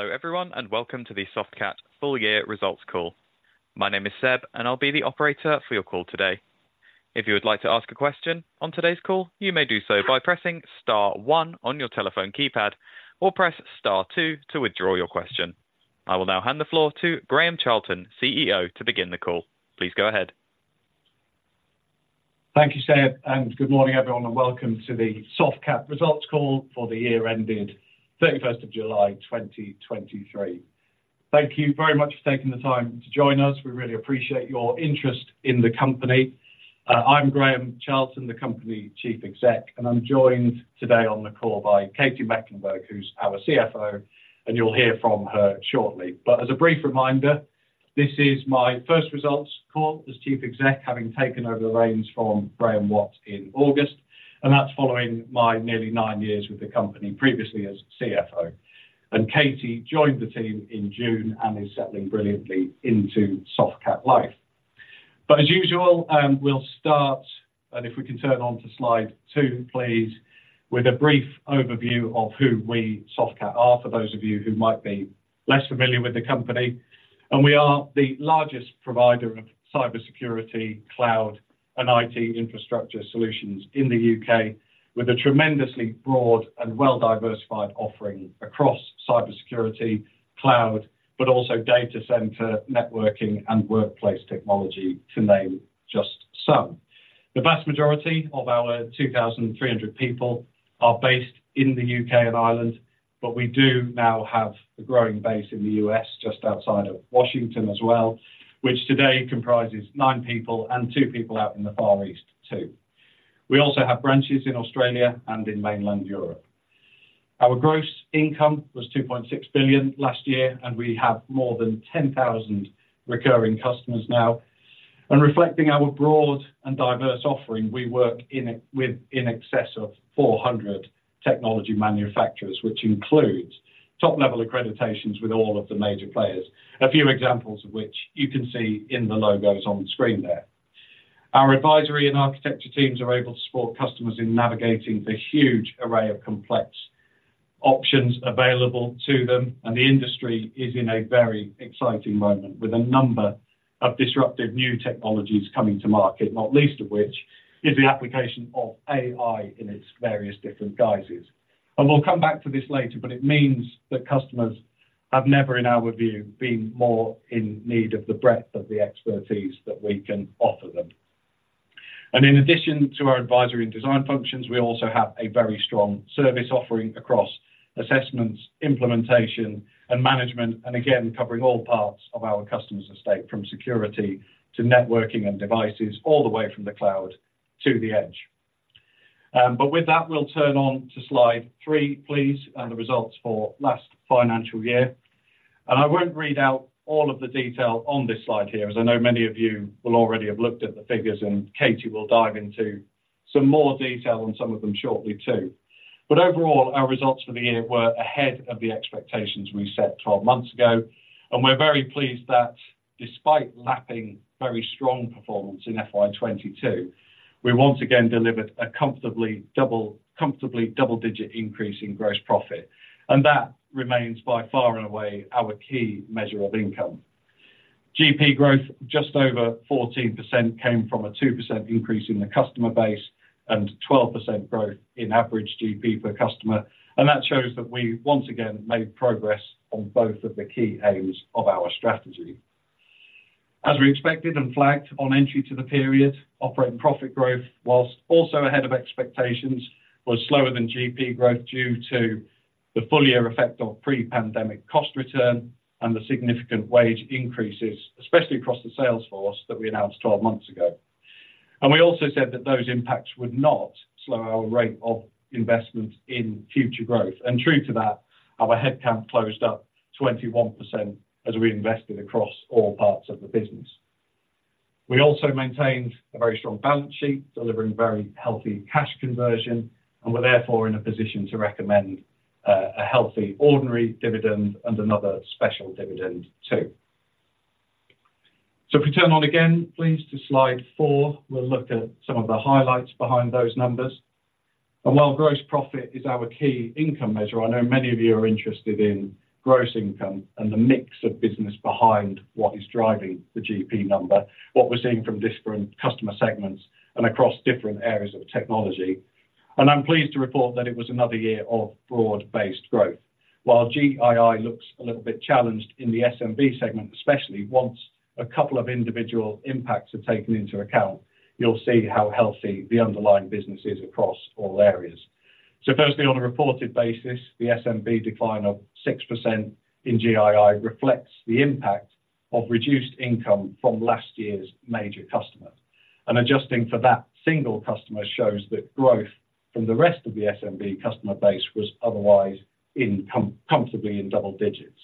Hello, everyone, and welcome to the Softcat full year results call. My name is Seb, and I'll be the operator for your call today. If you would like to ask a question on today's call, you may do so by pressing star one on your telephone keypad or press star two to withdraw your question. I will now hand the floor to Graham Charlton, CEO, to begin the call. Please go ahead. Thank you, Seb, and good morning, everyone, and welcome to the Softcat results call for the year ended 31st of July, 2023. Thank you very much for taking the time to join us. We really appreciate your interest in the company. I'm Graham Charlton, the company Chief Exec, and I'm joined today on the call by Katy Mecklenburgh, who's our CFO, and you'll hear from her shortly. But as a brief reminder, this is my first results call as Chief Exec, having taken over the reins from Graeme Watt in August, and that's following my nearly nine years with the company, previously as CFO. Katie joined the team in June and is settling brilliantly into Softcat life. As usual, we'll start, if we can turn on to slide two, please, with a brief overview of who we, Softcat, are, for those of you who might be less familiar with the company. We are the largest provider of cybersecurity, cloud, and IT infrastructure solutions in the U.K., with a tremendously broad and well-diversified offering across cybersecurity, cloud, but also data center, networking, and workplace technology, to name just some. The vast majority of our 2,300 people are based in the U.K. and Ireland, but we do now have a growing base in the U.S., just outside of Washington as well, which today comprises 9 people and 2 people out in the Far East, too. We also have branches in Australia and in mainland Europe. Our gross income was 2.6 billion last year, and we have more than 10,000 recurring customers now. Reflecting our broad and diverse offering, we work with in excess of 400 technology manufacturers, which includes top-level accreditations with all of the major players. A few examples of which you can see in the logos on screen there. Our advisory and architecture teams are able to support customers in navigating the huge array of complex options available to them, and the industry is in a very exciting moment, with a number of disruptive new technologies coming to market, not least of which is the application of AI in its various different guises. We'll come back to this later, but it means that customers have never, in our view, been more in need of the breadth of the expertise that we can offer them. In addition to our advisory and design functions, we also have a very strong service offering across assessments, implementation and management, and again, covering all parts of our customers' estate, from security to networking and devices, all the way from the cloud to the edge. But with that, we'll turn on to slide three, please, and the results for last financial year. I won't read out all of the detail on this slide here, as I know many of you will already have looked at the figures, and Katie will dive into some more detail on some of them shortly, too. Overall, our results for the year were ahead of the expectations we set 12 months ago, and we're very pleased that despite lapping very strong performance in FY 2022, we once again delivered a comfortably double-digit increase in gross profit, and that remains by far and away our key measure of income. GP growth, just over 14%, came from a 2% increase in the customer base and 12% growth in average GP per customer, and that shows that we once again made progress on both of the key aims of our strategy. As we expected and flagged on entry to the period, operating profit growth, whilst also ahead of expectations, was slower than GP growth due to the full year effect of pre-pandemic cost return and the significant wage increases, especially across the sales force, that we announced 12 months ago. We also said that those impacts would not slow our rate of investment in future growth. True to that, our headcount closed up 21% as we invested across all parts of the business. We also maintained a very strong balance sheet, delivering very healthy cash conversion, and we're therefore in a position to recommend a healthy ordinary dividend and another special dividend, too. So if we turn on again, please, to slide 4, we'll look at some of the highlights behind those numbers. While gross profit is our key income measure, I know many of you are interested in gross income and the mix of business behind what is driving the GP number, what we're seeing from different customer segments and across different areas of technology. I'm pleased to report that it was another year of broad-based growth. While GII looks a little bit challenged in the SMB segment, especially once a couple of individual impacts are taken into account, you'll see how healthy the underlying business is across all areas. So firstly, on a reported basis, the SMB decline of 6% in GII reflects the impact of reduced income from last year's major customers. And adjusting for that single customer shows that growth from the rest of the SMB customer base was otherwise comfortably in double digits.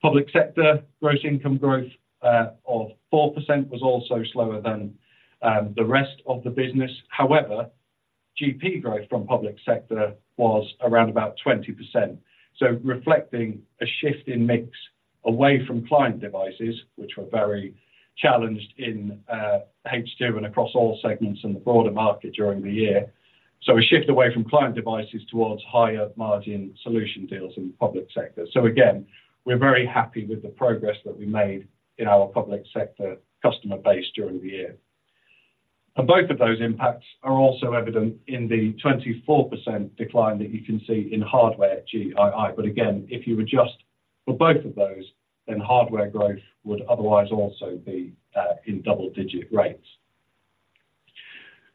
Public sector gross income growth of 4% was also slower than the rest of the business. However, GP growth from public sector was around about 20%, so reflecting a shift in mix away from client devices, which were very challenged in H2 and across all segments in the broader market during the year. So a shift away from client devices towards higher margin solution deals in the public sector. So again, we're very happy with the progress that we made in our public sector customer base during the year. And both of those impacts are also evident in the 24% decline that you can see in hardware GII. But again, if you adjust for both of those, then hardware growth would otherwise also be in double-digit rates.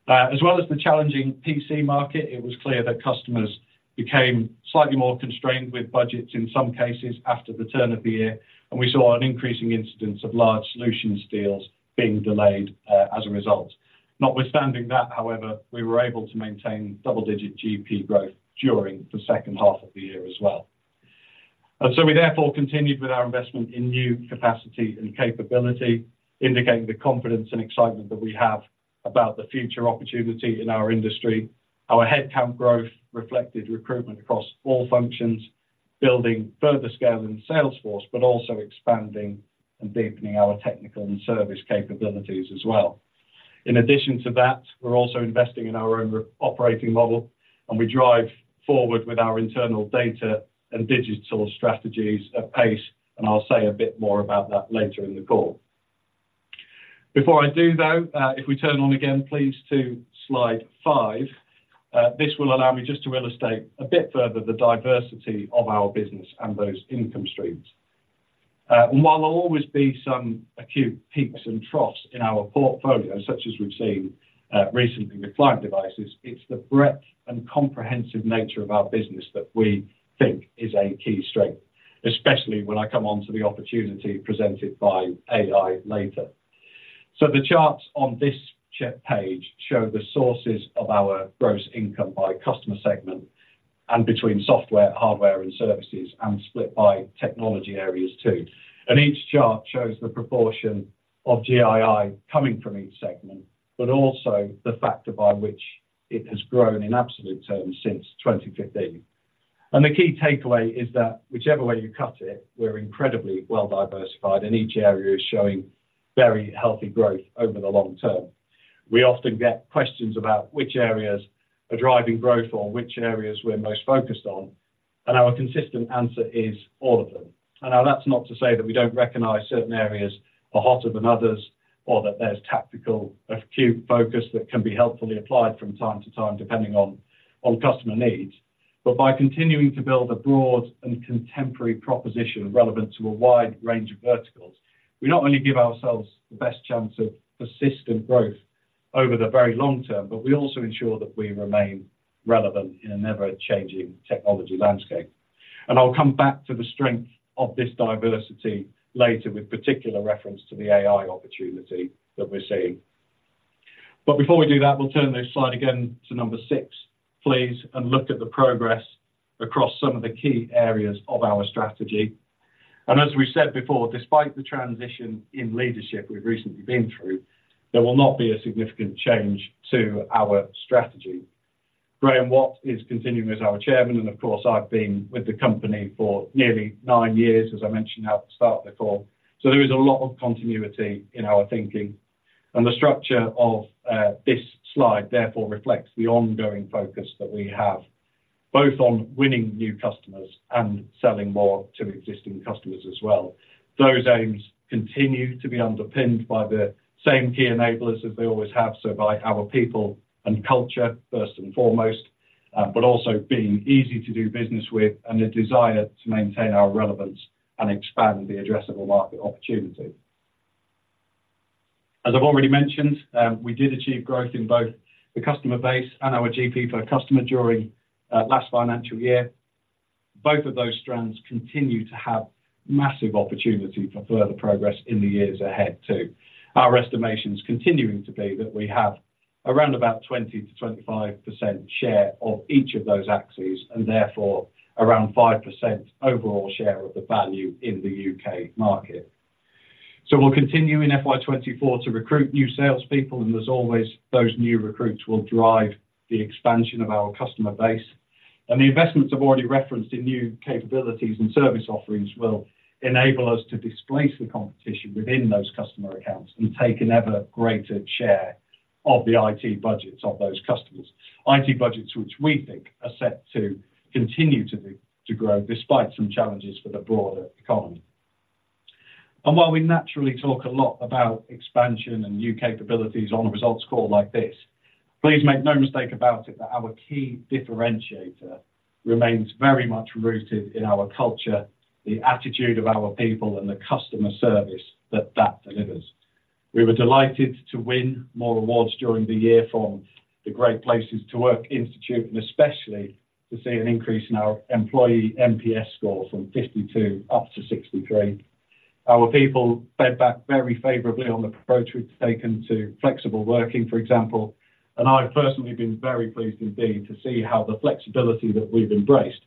As well as the challenging PC market, it was clear that customers became slightly more constrained with budgets in some cases after the turn of the year, and we saw an increasing incidence of large solutions deals being delayed as a result. Notwithstanding that, however, we were able to maintain double-digit GP growth during the second half of the year as well. We therefore continued with our investment in new capacity and capability, indicating the confidence and excitement that we have about the future opportunity in our industry. Our headcount growth reflected recruitment across all functions, building further scale in the sales force, but also expanding and deepening our technical and service capabilities as well. In addition to that, we're also investing in our own operating model, and we drive forward with our internal data and digital strategies at pace, and I'll say a bit more about that later in the call. Before I do, though, if we turn on again, please, to slide five, this will allow me just to illustrate a bit further the diversity of our business and those income streams. And while there'll always be some acute peaks and troughs in our portfolio, such as we've seen recently with client devices, it's the breadth and comprehensive nature of our business that we think is a key strength, especially when I come on to the opportunity presented by AI later. So the charts on this check page show the sources of our gross income by customer segment and between software, hardware, and services, and split by technology areas too. And each chart shows the proportion of GII coming from each segment, but also the factor by which it has grown in absolute terms since 2015. And the key takeaway is that whichever way you cut it, we're incredibly well diversified, and each area is showing very healthy growth over the long term. We often get questions about which areas are driving growth or which areas we're most focused on, and our consistent answer is all of them. And now, that's not to say that we don't recognize certain areas are hotter than others or that there's tactical, acute focus that can be helpfully applied from time to time, depending on customer needs. But by continuing to build a broad and contemporary proposition relevant to a wide range of verticals, we not only give ourselves the best chance of persistent growth over the very long term, but we also ensure that we remain relevant in an ever-changing technology landscape. And I'll come back to the strength of this diversity later, with particular reference to the AI opportunity that we're seeing. But before we do that, we'll turn this slide again to number 6, please, and look at the progress across some of the key areas of our strategy. And as we said before, despite the transition in leadership we've recently been through, there will not be a significant change to our strategy. Graeme Watt is continuing as our chairman, and of course, I've been with the company for nearly nine years, as I mentioned at the start of the call. So there is a lot of continuity in our thinking. And the structure of this slide therefore reflects the ongoing focus that we have, both on winning new customers and selling more to existing customers as well. Those aims continue to be underpinned by the same key enablers as they always have, so by our people and culture, first and foremost, but also being easy to do business with and the desire to maintain our relevance and expand the addressable market opportunity. As I've already mentioned, we did achieve growth in both the customer base and our GP per customer during last financial year. Both of those strands continue to have massive opportunity for further progress in the years ahead, too. Our estimation is continuing to be that we have around about 20%-25% share of each of those axes, and therefore around 5% overall share of the value in the U.K. market. So we'll continue in FY 2024 to recruit new salespeople, and as always, those new recruits will drive the expansion of our customer base. The investments I've already referenced in new capabilities and service offerings will enable us to displace the competition within those customer accounts and take an ever greater share of the IT budgets of those customers. IT budgets, which we think are set to continue to grow despite some challenges for the broader economy. While we naturally talk a lot about expansion and new capabilities on a results call like this, please make no mistake about it, that our key differentiator remains very much rooted in our culture, the attitude of our people, and the customer service that that delivers. We were delighted to win more awards during the year from the Great Place to Work Institute, and especially to see an increase in our employee NPS score from 52 up to 63. Our people fed back very favorably on the approach we've taken to flexible working, for example, and I've personally been very pleased indeed to see how the flexibility that we've embraced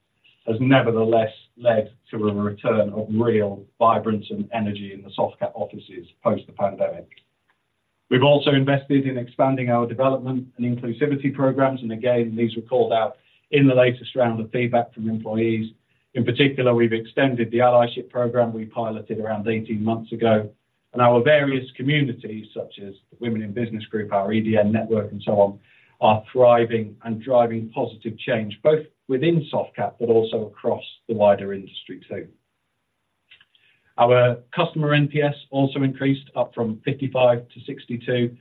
has nevertheless led to a return of real vibrance and energy in the Softcat offices post the pandemic. We've also invested in expanding our development and inclusivity programs, and again, these were called out in the latest round of feedback from employees. In particular, we've extended the allyship program we piloted around 18 months ago, and our various communities, such as the Women in Business group, our EDN network, and so on, are thriving and driving positive change, both within Softcat but also across the wider industry, too. Our customer NPS also increased up from 55 to 62,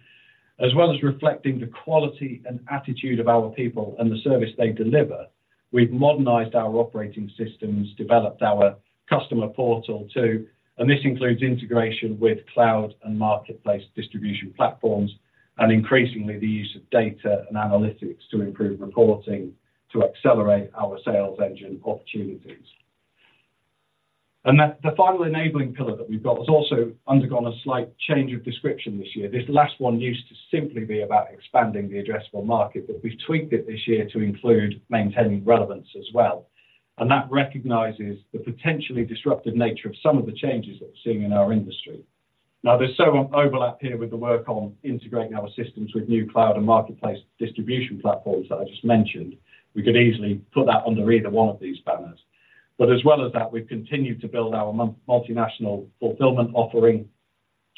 as well as reflecting the quality and attitude of our people and the service they deliver. We've modernized our operating systems, developed our customer portal, too, and this includes integration with cloud and marketplace distribution platforms, and increasingly, the use of data and analytics to improve reporting to accelerate our sales engine opportunities. And then the final enabling pillar that we've got has also undergone a slight change of description this year. This last one used to simply be about expanding the addressable market, but we've tweaked it this year to include maintaining relevance as well, and that recognizes the potentially disruptive nature of some of the changes that we're seeing in our industry. Now, there's some overlap here with the work on integrating our systems with new cloud and marketplace distribution platforms that I just mentioned. We could easily put that under either one of these banners, but as well as that, we've continued to build our multinational fulfillment offering,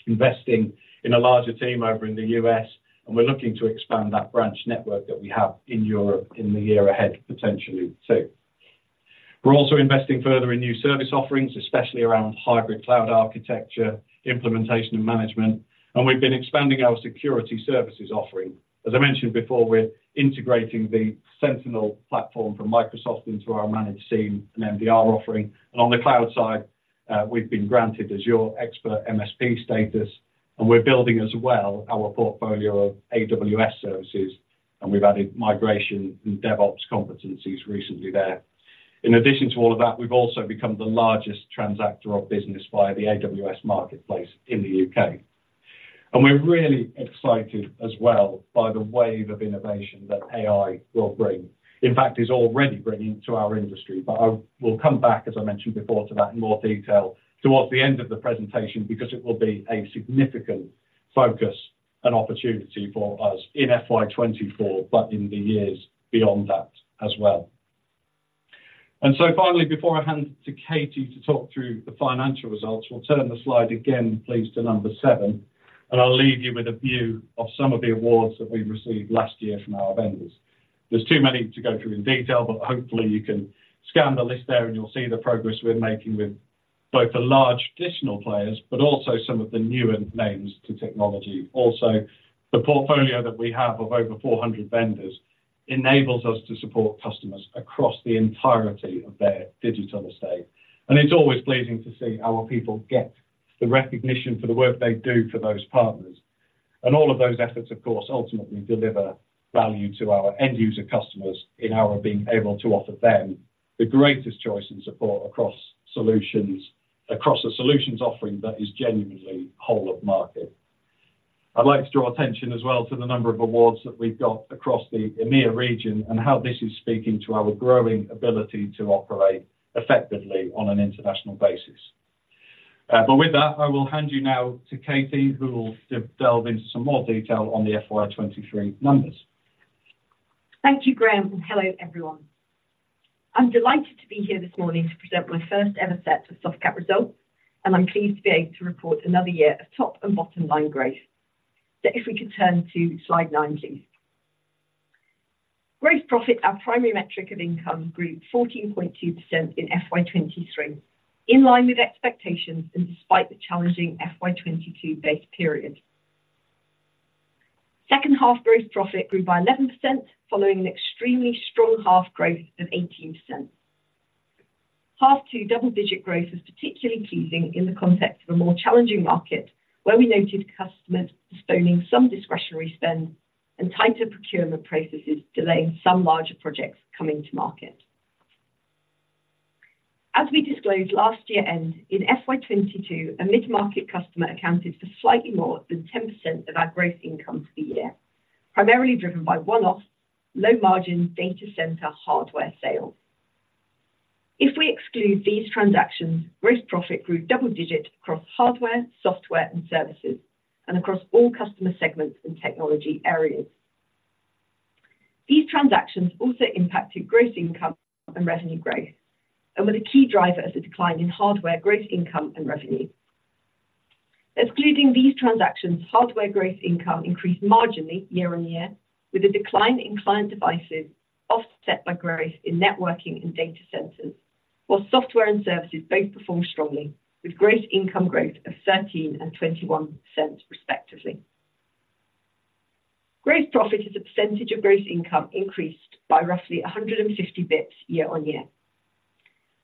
investing in a larger team over in the US, and we're looking to expand that branch network that we have in Europe in the year ahead, potentially, too. We're also investing further in new service offerings, especially around hybrid cloud architecture, implementation, and management, and we've been expanding our security services offering. As I mentioned before, we're integrating the Sentinel platform from Microsoft into our managed SIEM and MDR offering. On the cloud side, we've been granted Azure Expert MSP status, and we're building as well our portfolio of AWS services, and we've added migration and DevOps competencies recently there. In addition to all of that, we've also become the largest transactor of business via the AWS Marketplace in the UK. We're really excited as well by the wave of innovation that AI will bring. In fact, it's already bringing to our industry. But I will come back, as I mentioned before, to that in more detail towards the end of the presentation, because it will be a significant focus and opportunity for us in FY 2024, but in the years beyond that as well. So finally, before I hand to Katie to talk through the financial results, we'll turn the slide again, please, to number 7, and I'll leave you with a view of some of the awards that we received last year from our vendors. There's too many to go through in detail, but hopefully, you can scan the list there, and you'll see the progress we're making with both the large traditional players, but also some of the newer names to technology. Also, the portfolio that we have of over 400 vendors enables us to support customers across the entirety of their digital estate, and it's always pleasing to see our people get the recognition for the work they do for those partners. All of those efforts, of course, ultimately deliver value to our end user customers in our being able to offer them the greatest choice and support across solutions, across a solutions offering that is genuinely whole of market. I'd like to draw attention as well to the number of awards that we've got across the EMEA region and how this is speaking to our growing ability to operate effectively on an international basis. But with that, I will hand you now to Katie, who will delve into some more detail on the FY 2023 numbers. Thank you, Graham, and hello, everyone. I'm delighted to be here this morning to present my first ever set of Softcat results, and I'm pleased to be able to report another year of top and bottom-line growth. If we could turn to slide nine, please. Gross profit, our primary metric of income, grew 14.2% in FY 2023, in line with expectations and despite the challenging FY 2022 base period. Second half gross profit grew by 11%, following an extremely strong half growth of 18%. Half two double-digit growth was particularly pleasing in the context of a more challenging market, where we noted customers postponing some discretionary spend and tighter procurement processes, delaying some larger projects coming to market. As we disclosed last year in FY 2022, a mid-market customer accounted for slightly more than 10% of our gross income for the year, primarily driven by one-off, low-margin data center hardware sales. If we exclude these transactions, gross profit grew double-digit across hardware, software, and services and across all customer segments and technology areas. These transactions also impacted gross income and revenue growth and were the key driver as a decline in hardware gross income and revenue. Excluding these transactions, hardware gross income increased marginally year-on-year, with a decline in client devices offset by growth in networking and data centers, while software and services both performed strongly, with gross income growth of 13% and 21%, respectively. Gross profit as a percentage of gross income increased by roughly 150 basis points year-on-year,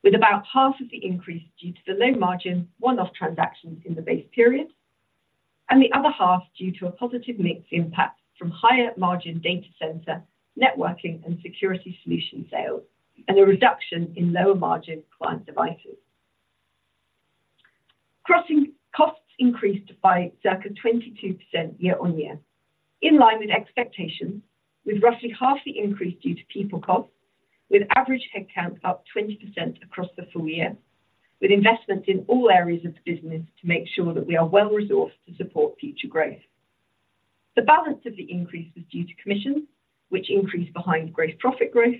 with about half of the increase due to the low margin, one-off transactions in the base period, and the other half due to a positive mix impact from higher margin data center, networking, and security solution sales, and a reduction in lower margin client devices. Costs increased by circa 22% year-on-year in line with expectations, with roughly half the increase due to people costs, with average headcount up 20% across the full year, with investment in all areas of the business to make sure that we are well-resourced to support future growth. The balance of the increase was due to commissions, which increased behind gross profit growth,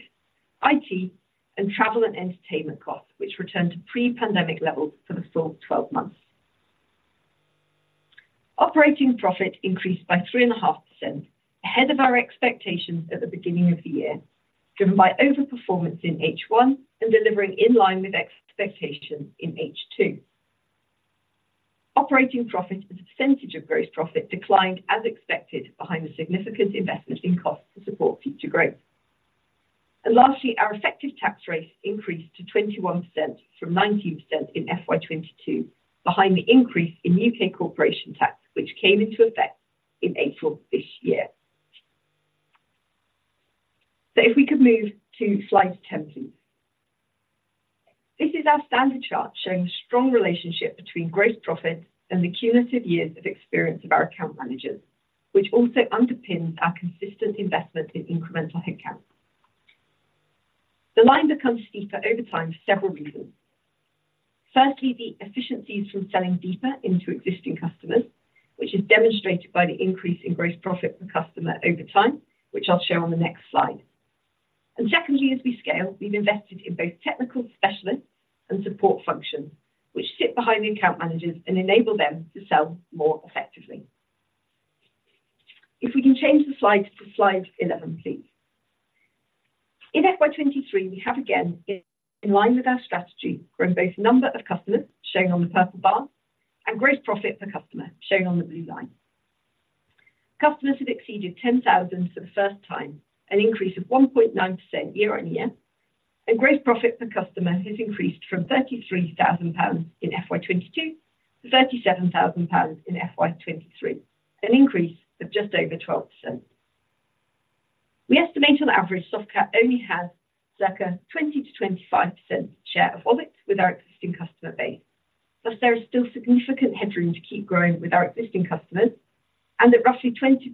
IT, and travel and entertainment costs, which returned to pre-pandemic levels for the full 12 months. Operating profit increased by 3.5%, ahead of our expectations at the beginning of the year, driven by overperformance in H1 and delivering in line with expectations in H2. Operating profit as a percentage of gross profit declined as expected, behind a significant investment in costs to support future growth. And lastly, our effective tax rate increased to 21% from 19% in FY 2022, behind the increase in UK corporation tax, which came into effect in April this year. So if we could move to slide 10, please. This is our standard chart showing the strong relationship between gross profit and the cumulative years of experience of our account managers, which also underpins our consistent investment in incremental headcount. The line becomes steeper over time for several reasons. Firstly, the efficiencies from selling deeper into existing customers, which is demonstrated by the increase in gross profit per customer over time, which I'll show on the next slide. And secondly, as we scale, we've invested in both technical specialists and support functions, which sit behind the account managers and enable them to sell more effectively. If we can change the slide to slide 11, please. In FY 2023, we have again, in line with our strategy, grown both number of customers, shown on the purple bar, and gross profit per customer, shown on the blue line. Customers have exceeded 10,000 for the first time, an increase of 1.9% year-on-year, and gross profit per customer has increased from 33,000 pounds in FY 2022 to 37,000 pounds in FY 2023, an increase of just over 12%. We estimate on average, Softcat only has circa 20%-25% share of wallet with our existing customer base, thus there is still significant headroom to keep growing with our existing customers and at roughly 20%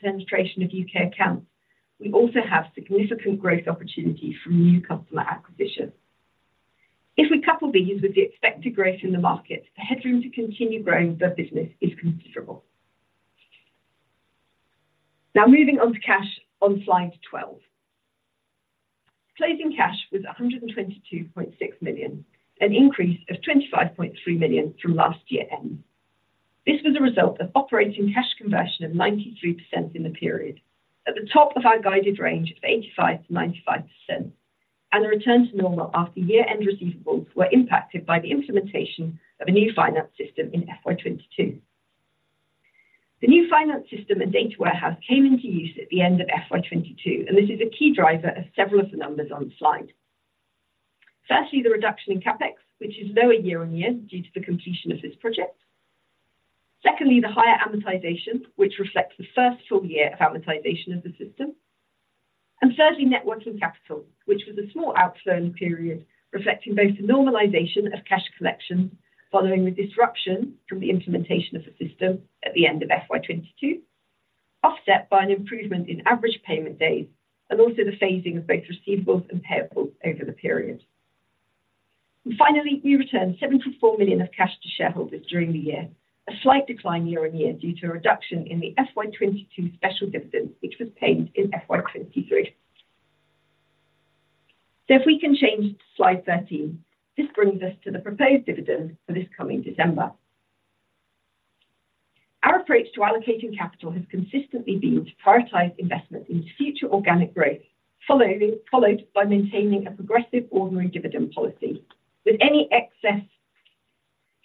penetration of UK accounts, we also have significant growth opportunity from new customer acquisition. If we couple these with the expected growth in the market, the headroom to continue growing the business is considerable. Now, moving on to cash on slide 12. Closing cash was 122.6 million, an increase of 25.3 million from last year end. This was a result of operating cash conversion of 93% in the period, at the top of our guided range of 85%-95%, and a return to normal after year-end receivables were impacted by the implementation of a new finance system in FY 2022. The new finance system and data warehouse came into use at the end of FY 2022, and this is a key driver of several of the numbers on the slide. Firstly, the reduction in CapEx, which is lower year on year due to the completion of this project. Secondly, the higher amortization, which reflects the first full year of amortization of the system. And thirdly, net working capital, which was a small outflow in the period, reflecting both the normalization of cash collection following the disruption from the implementation of the system at the end of FY 2022, offset by an improvement in average payment days, and also the phasing of both receivables and payables over the period. Finally, we returned 74 million of cash to shareholders during the year, a slight decline year-on-year due to a reduction in the FY 2022 special dividend, which was paid in FY 2023. If we can change to slide 13. This brings us to the proposed dividend for this coming December. Our approach to allocating capital has consistently been to prioritize investment into future organic growth, followed by maintaining a progressive ordinary dividend policy, with any excess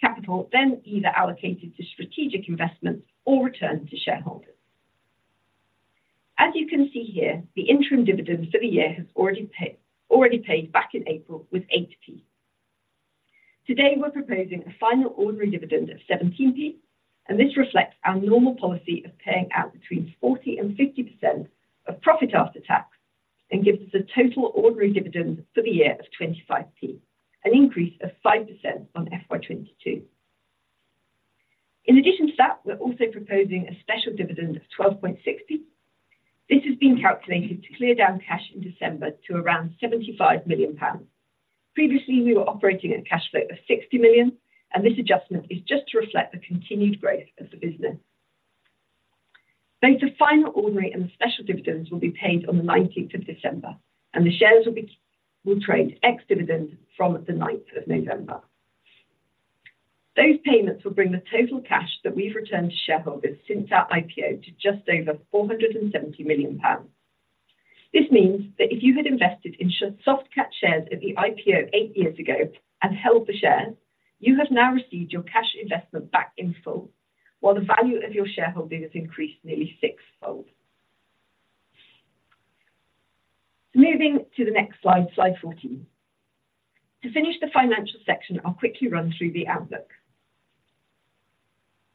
capital then either allocated to strategic investments or returned to shareholders. As you can see here, the interim dividend for the year has already paid, already paid back in April was 0.08. Today, we're proposing a final ordinary dividend of 17p, and this reflects our normal policy of paying out between 40%-50% of profit after tax and gives us a total ordinary dividend for the year of 25p, an increase of 5% on FY 2022. In addition to that, we're also proposing a special dividend of 12.6p. This has been calculated to clear down cash in December to around 75 million pounds. Previously, we were operating at a cash flow of 60 million, and this adjustment is just to reflect the continued growth of the business. Both the final ordinary and the special dividends will be paid on the nineteenth of December, and the shares will trade ex-dividend from the ninth of November. Those payments will bring the total cash that we've returned to shareholders since our IPO to just over 470 million pounds. This means that if you had invested in Softcat shares at the IPO 8 years ago and held the shares, you have now received your cash investment back in full, while the value of your shareholding has increased nearly sixfold. Moving to the next slide, slide 14. To finish the financial section, I'll quickly run through the outlook.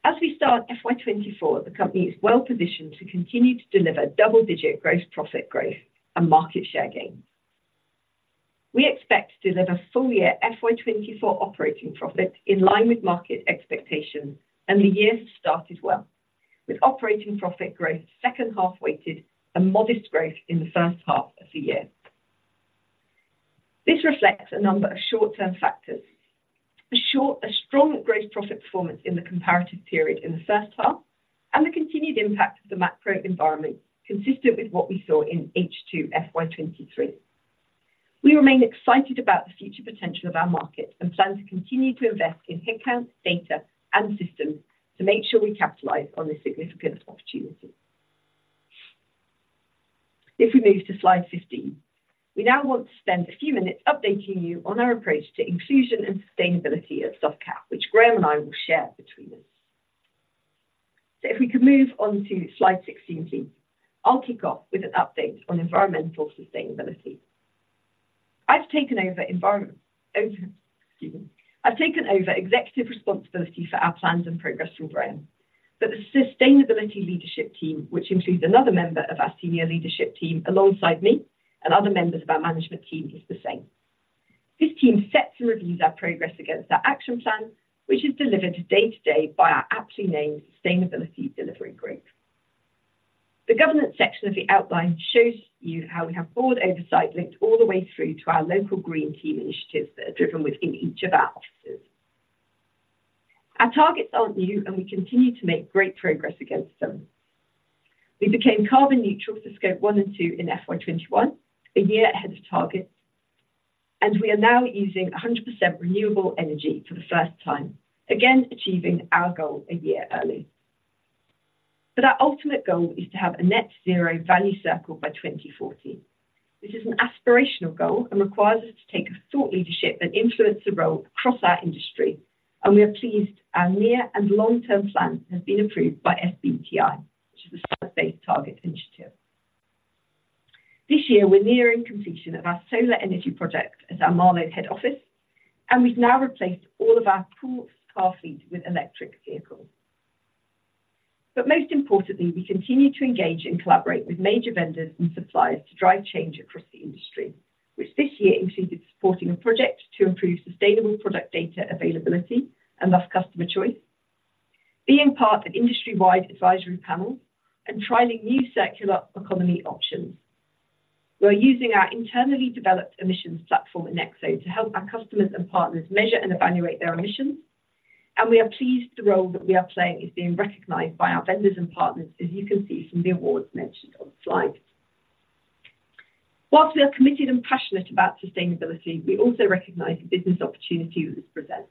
As we start FY 2024, the company is well positioned to continue to deliver double-digit gross profit growth and market share gain.... We expect to deliver full year FY 2024 operating profit in line with market expectations, and the year started well, with operating profit growth second half weighted, and modest growth in the first half of the year. This reflects a number of short-term factors. A strong gross profit performance in the comparative period in the first half, and the continued impact of the macro environment, consistent with what we saw in H2 FY 2023. We remain excited about the future potential of our market and plan to continue to invest in headcount, data, and systems to make sure we capitalize on this significant opportunity. If we move to slide 15, we now want to spend a few minutes updating you on our approach to inclusion and sustainability at Softcat, which Graham and I will share between us. So if we could move on to slide 16, please. I'll kick off with an update on environmental sustainability. I've taken over environmental, excuse me. I've taken over executive responsibility for our plans and progress from Graham, but the sustainability leadership team, which includes another member of our senior leadership team alongside me and other members of our management team, is the same. This team sets and reviews our progress against our action plan, which is delivered day-to-day by our aptly named Sustainability Delivery Group. The governance section of the outline shows you how we have board oversight linked all the way through to our local green team initiatives that are driven within each of our offices. Our targets aren't new, and we continue to make great progress against them. We became carbon neutral for scope one and two in FY 2021, a year ahead of target, and we are now using 100% renewable energy for the first time, again, achieving our goal a year early. But our ultimate goal is to have a net zero value circle by 2040. This is an aspirational goal and requires us to take a thought leadership and influencer role across our industry, and we are pleased our near and long-term plans have been approved by SBTi, which is the Science Based Targets initiative. This year, we're nearing completion of our solar energy project at our Marlow head office, and we've now replaced all of our pool car fleet with electric vehicles. But most importantly, we continue to engage and collaborate with major vendors and suppliers to drive change across the industry, which this year included supporting a project to improve sustainable product data availability and thus customer choice, being part of industry-wide advisory panel, and trialing new circular economy options. We are using our internally developed emissions platform, Enexo, to help our customers and partners measure and evaluate their emissions, and we are pleased the role that we are playing is being recognized by our vendors and partners, as you can see from the awards mentioned on the slide. While we are committed and passionate about sustainability, we also recognize the business opportunity this presents.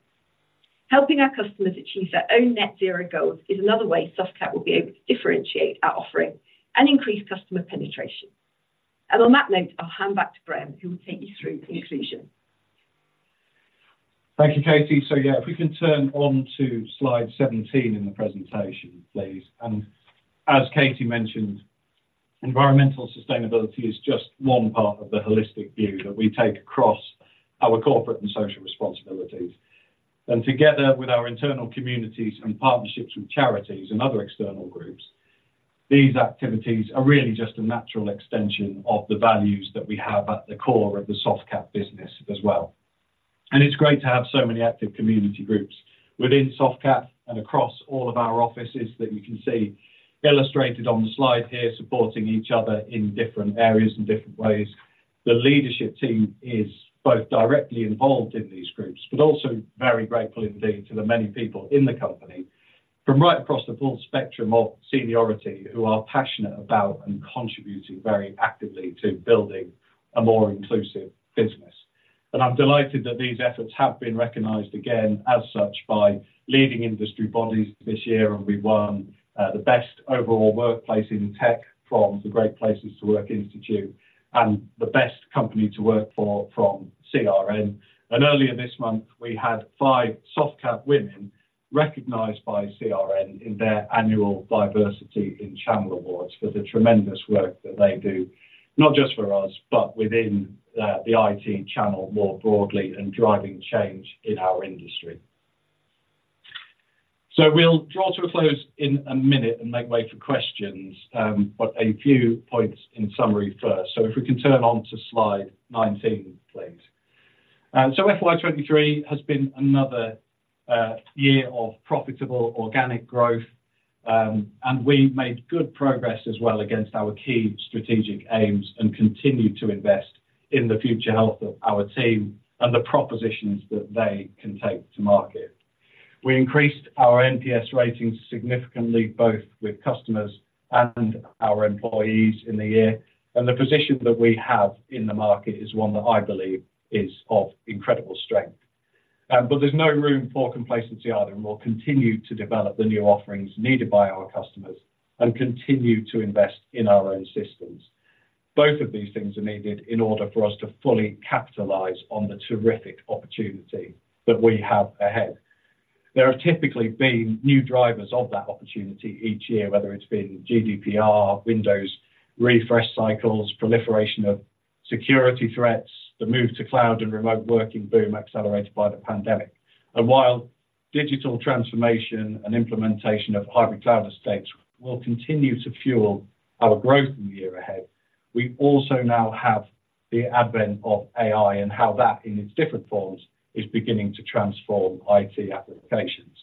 Helping our customers achieve their own net zero goals is another way Softcat will be able to differentiate our offering and increase customer penetration. On that note, I'll hand back to Graham, who will take you through inclusion. Thank you, Katie. So yeah, if we can turn on to slide 17 in the presentation, please. And as Katie mentioned, environmental sustainability is just one part of the holistic view that we take across our corporate and social responsibilities. And together with our internal communities and partnerships with charities and other external groups, these activities are really just a natural extension of the values that we have at the core of the Softcat business as well. And it's great to have so many active community groups within Softcat and across all of our offices that you can see illustrated on the slide here, supporting each other in different areas, in different ways. The leadership team is both directly involved in these groups, but also very grateful indeed to the many people in the company from right across the full spectrum of seniority, who are passionate about and contributing very actively to building a more inclusive business. I'm delighted that these efforts have been recognized again as such by leading industry bodies this year, and we won the Best Overall Workplace in Tech from the Great Place to Work Institute and the Best Company to Work For from CRN. Earlier this month, we had five Softcat women recognized by CRN in their annual Diversity in Channel Awards for the tremendous work that they do, not just for us, but within the IT channel more broadly and driving change in our industry. We'll draw to a close in a minute and make way for questions. But a few points in summary first. So if we can turn to slide 19, please. So FY 2023 has been another year of profitable organic growth, and we've made good progress as well against our key strategic aims and continue to invest in the future health of our team and the propositions that they can take to market. We increased our NPS ratings significantly, both with customers and our employees in the year, and the position that we have in the market is one that I believe is of incredible strength. But there's no room for complacency either, and we'll continue to develop the new offerings needed by our customers and continue to invest in our own systems. Both of these things are needed in order for us to fully capitalize on the terrific opportunity that we have ahead. There have typically been new drivers of that opportunity each year, whether it's been GDPR, Windows, refresh cycles, proliferation of security threats, the move to cloud and remote working boom accelerated by the pandemic. While digital transformation and implementation of hybrid cloud estates will continue to fuel our growth in the year ahead. We also now have the advent of AI and how that, in its different forms, is beginning to transform IT applications.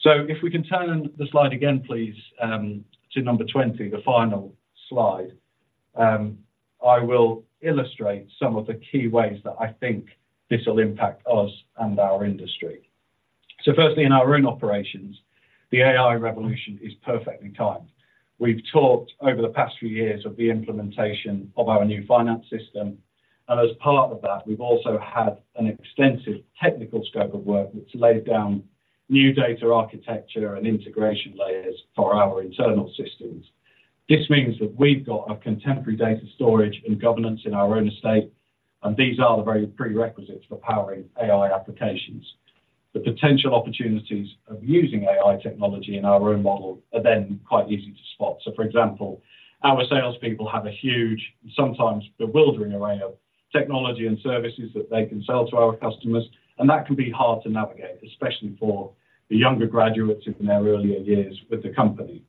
So if we can turn the slide again, please, to number 20, the final slide, I will illustrate some of the key ways that I think this will impact us and our industry. So firstly, in our own operations, the AI revolution is perfectly timed. We've talked over the past few years of the implementation of our new finance system, and as part of that, we've also had an extensive technical scope of work that's laid down new data architecture and integration layers for our internal systems. This means that we've got a contemporary data storage and governance in our own estate, and these are the very prerequisites for powering AI applications. The potential opportunities of using AI technology in our own model are then quite easy to spot. So, for example, our salespeople have a huge, sometimes bewildering array of technology and services that they can sell to our customers, and that can be hard to navigate, especially for the younger graduates in their earlier years with the company.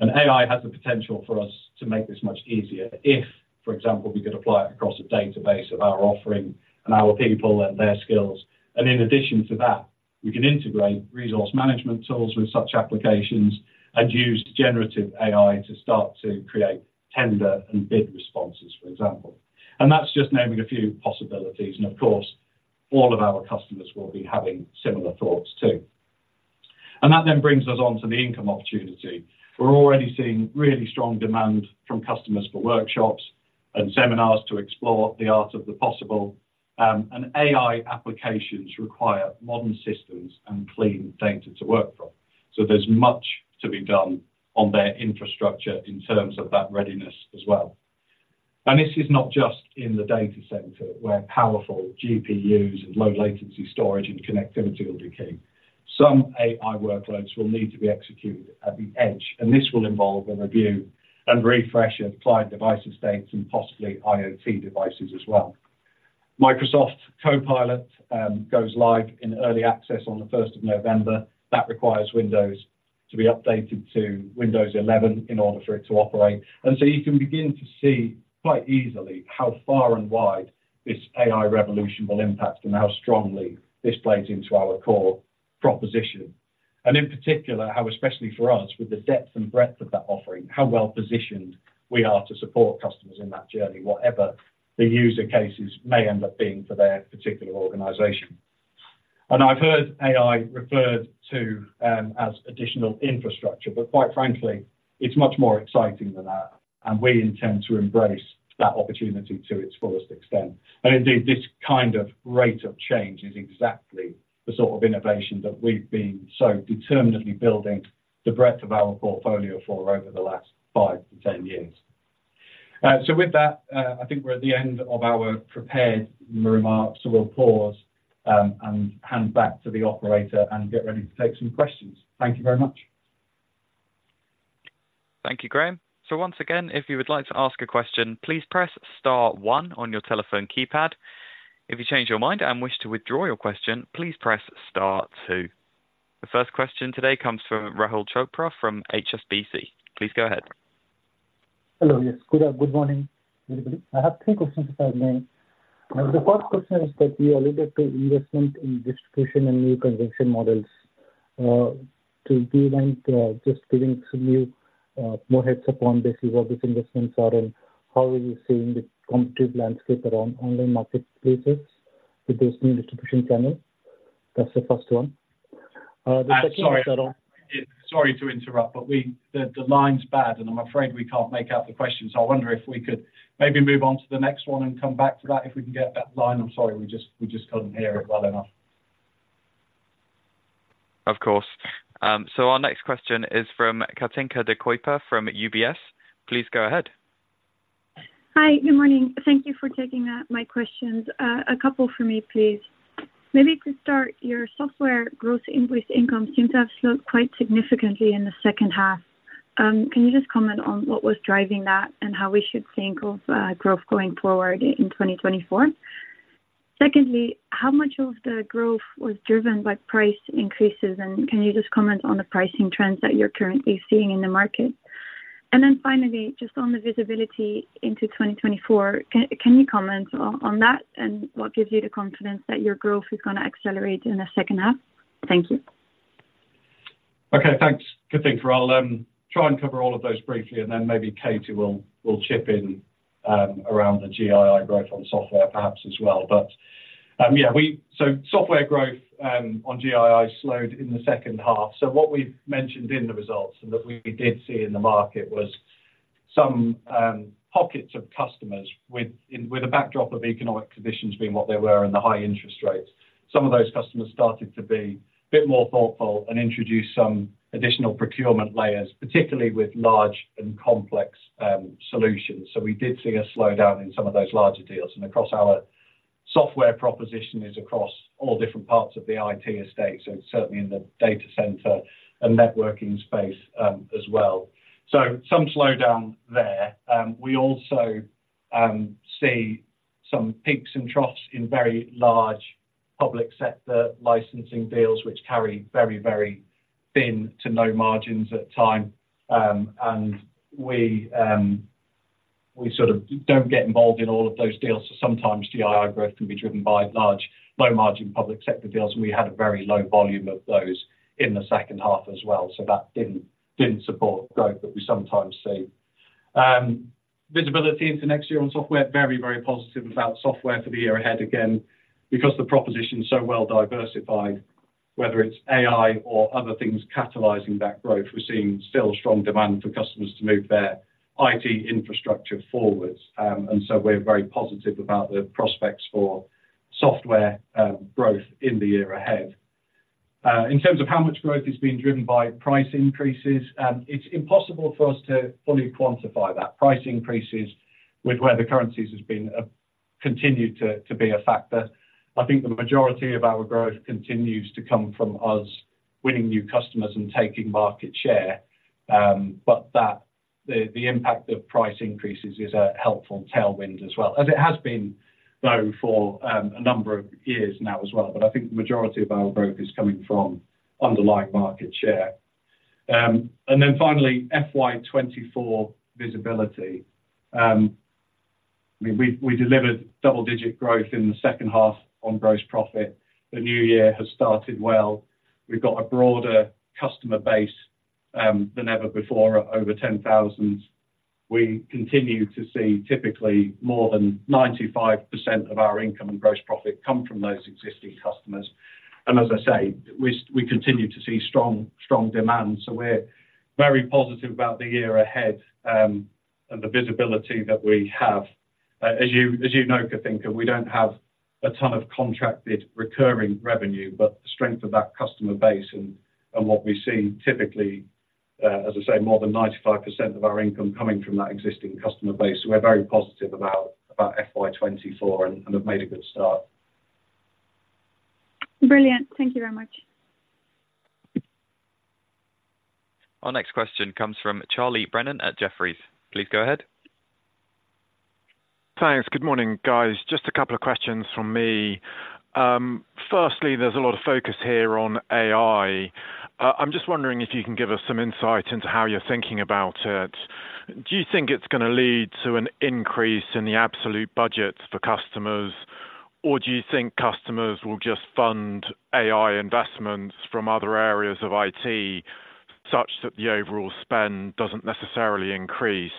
AI has the potential for us to make this much easier if, for example, we could apply it across a database of our offering and our people and their skills. In addition to that, we can integrate resource management tools with such applications and use generative AI to start to create tender and bid responses, for example. That's just naming a few possibilities, and of course, all of our customers will be having similar thoughts, too. That then brings us on to the income opportunity. We're already seeing really strong demand from customers for workshops and seminars to explore the art of the possible, and AI applications require modern systems and clean data to work from. So there's much to be done on their infrastructure in terms of that readiness as well. And this is not just in the data center, where powerful GPUs and low latency storage and connectivity will be key. Some AI workloads will need to be executed at the edge, and this will involve a review and refresh of client device estates and possibly IoT devices as well. Microsoft Copilot goes live in early access on the first of November. That requires Windows to be updated to Windows 11 in order for it to operate. And so you can begin to see quite easily how far and wide this AI revolution will impact and how strongly this plays into our core proposition. And in particular, how, especially for us, with the depth and breadth of that offering, how well positioned we are to support customers in that journey, whatever the user cases may end up being for their particular organization. And I've heard AI referred to as additional infrastructure, but quite frankly, it's much more exciting than that, and we intend to embrace that opportunity to its fullest extent. Indeed, this kind of rate of change is exactly the sort of innovation that we've been so determinedly building the breadth of our portfolio for over the last five to 10 years. So with that, I think we're at the end of our prepared remarks, so we'll pause and hand back to the operator and get ready to take some questions. Thank you very much. Thank you, Graham. So once again, if you would like to ask a question, please press star one on your telephone keypad. If you change your mind and wish to withdraw your question, please press star two. The first question today comes from Rahul Chopra from HSBC. Please go ahead. Hello. Yes, good, good morning, everybody. I have three questions, if I may. The first question is that you alluded to investment in distribution and new conviction models. Could you like just give us a little more heads up on this, is what these investments are and how are you seeing the competitive landscape around online marketplaces with this new distribution channel? That's the first one. The second- Sorry, sorry to interrupt, but the line's bad, and I'm afraid we can't make out the question. So I wonder if we could maybe move on to the next one and come back to that if we can get a better line. I'm sorry, we just couldn't hear it well enough. Of course. So our next question is from Katinka de Kooper from UBS. Please go ahead. Hi, good morning. Thank you for taking my questions. A couple for me, please. Maybe you could start, your software growth invoiced income seems to have slowed quite significantly in the second half. Can you just comment on what was driving that and how we should think of growth going forward in 2024? Secondly, how much of the growth was driven by price increases, and can you just comment on the pricing trends that you're currently seeing in the market? And then finally, just on the visibility into 2024, can you comment on that and what gives you the confidence that your growth is gonna accelerate in the second half? Thank you. Okay. Thanks, Katinka. I'll try and cover all of those briefly, and then maybe Katie will chip in around the GII growth on software perhaps as well. But yeah, so software growth on GII slowed in the second half. So what we've mentioned in the results and that we did see in the market was some pockets of customers with a backdrop of economic conditions being what they were and the high interest rates. Some of those customers started to be a bit more thoughtful and introduce some additional procurement layers, particularly with large and complex solutions. So we did see a slowdown in some of those larger deals, and across our software proposition is across all different parts of the IT estate, so certainly in the data center and networking space as well. So some slowdown there. We also see some peaks and troughs in very large public sector licensing deals, which carry very, very thin to no margins at times. And we sort of don't get involved in all of those deals. So sometimes GII growth can be driven by large, low margin public sector deals, and we had a very low volume of those in the second half as well. So that didn't support growth that we sometimes see. Visibility into next year on software, very positive about software for the year ahead, again, because the proposition is so well diversified, whether it's AI or other things catalyzing that growth, we're seeing still strong demand for customers to move their IT infrastructure forwards. And so we're very positive about the prospects for software growth in the year ahead. In terms of how much growth is being driven by price increases, it's impossible for us to fully quantify that. Price increases with where the currencies has been continued to be a factor. I think the majority of our growth continues to come from us winning new customers and taking market share, but the impact of price increases is a helpful tailwind as well, as it has been, though, for a number of years now as well. I think the majority of our growth is coming from underlying market share. Finally, FY 2024 visibility. I mean, we delivered double-digit growth in the second half on gross profit. The new year has started well. We've got a broader customer base than ever before, over 10,000. We continue to see typically more than 95% of our income and gross profit come from those existing customers. And as I say, we, we continue to see strong, strong demand, so we're very positive about the year ahead, and the visibility that we have. As you, as you know, Katinka, we don't have a ton of contracted recurring revenue, but the strength of that customer base and, and what we see typically, as I say, more than 95% of our income coming from that existing customer base. So we're very positive about, about FY 2024 and, and have made a good start. Brilliant. Thank you very much. Our next question comes from Charlie Brennan at Jefferies. Please go ahead. Thanks. Good morning, guys. Just a couple of questions from me. Firstly, there's a lot of focus here on AI. I'm just wondering if you can give us some insight into how you're thinking about it. Do you think it's going to lead to an increase in the absolute budgets for customers? Or do you think customers will just fund AI investments from other areas of IT, such that the overall spend doesn't necessarily increase?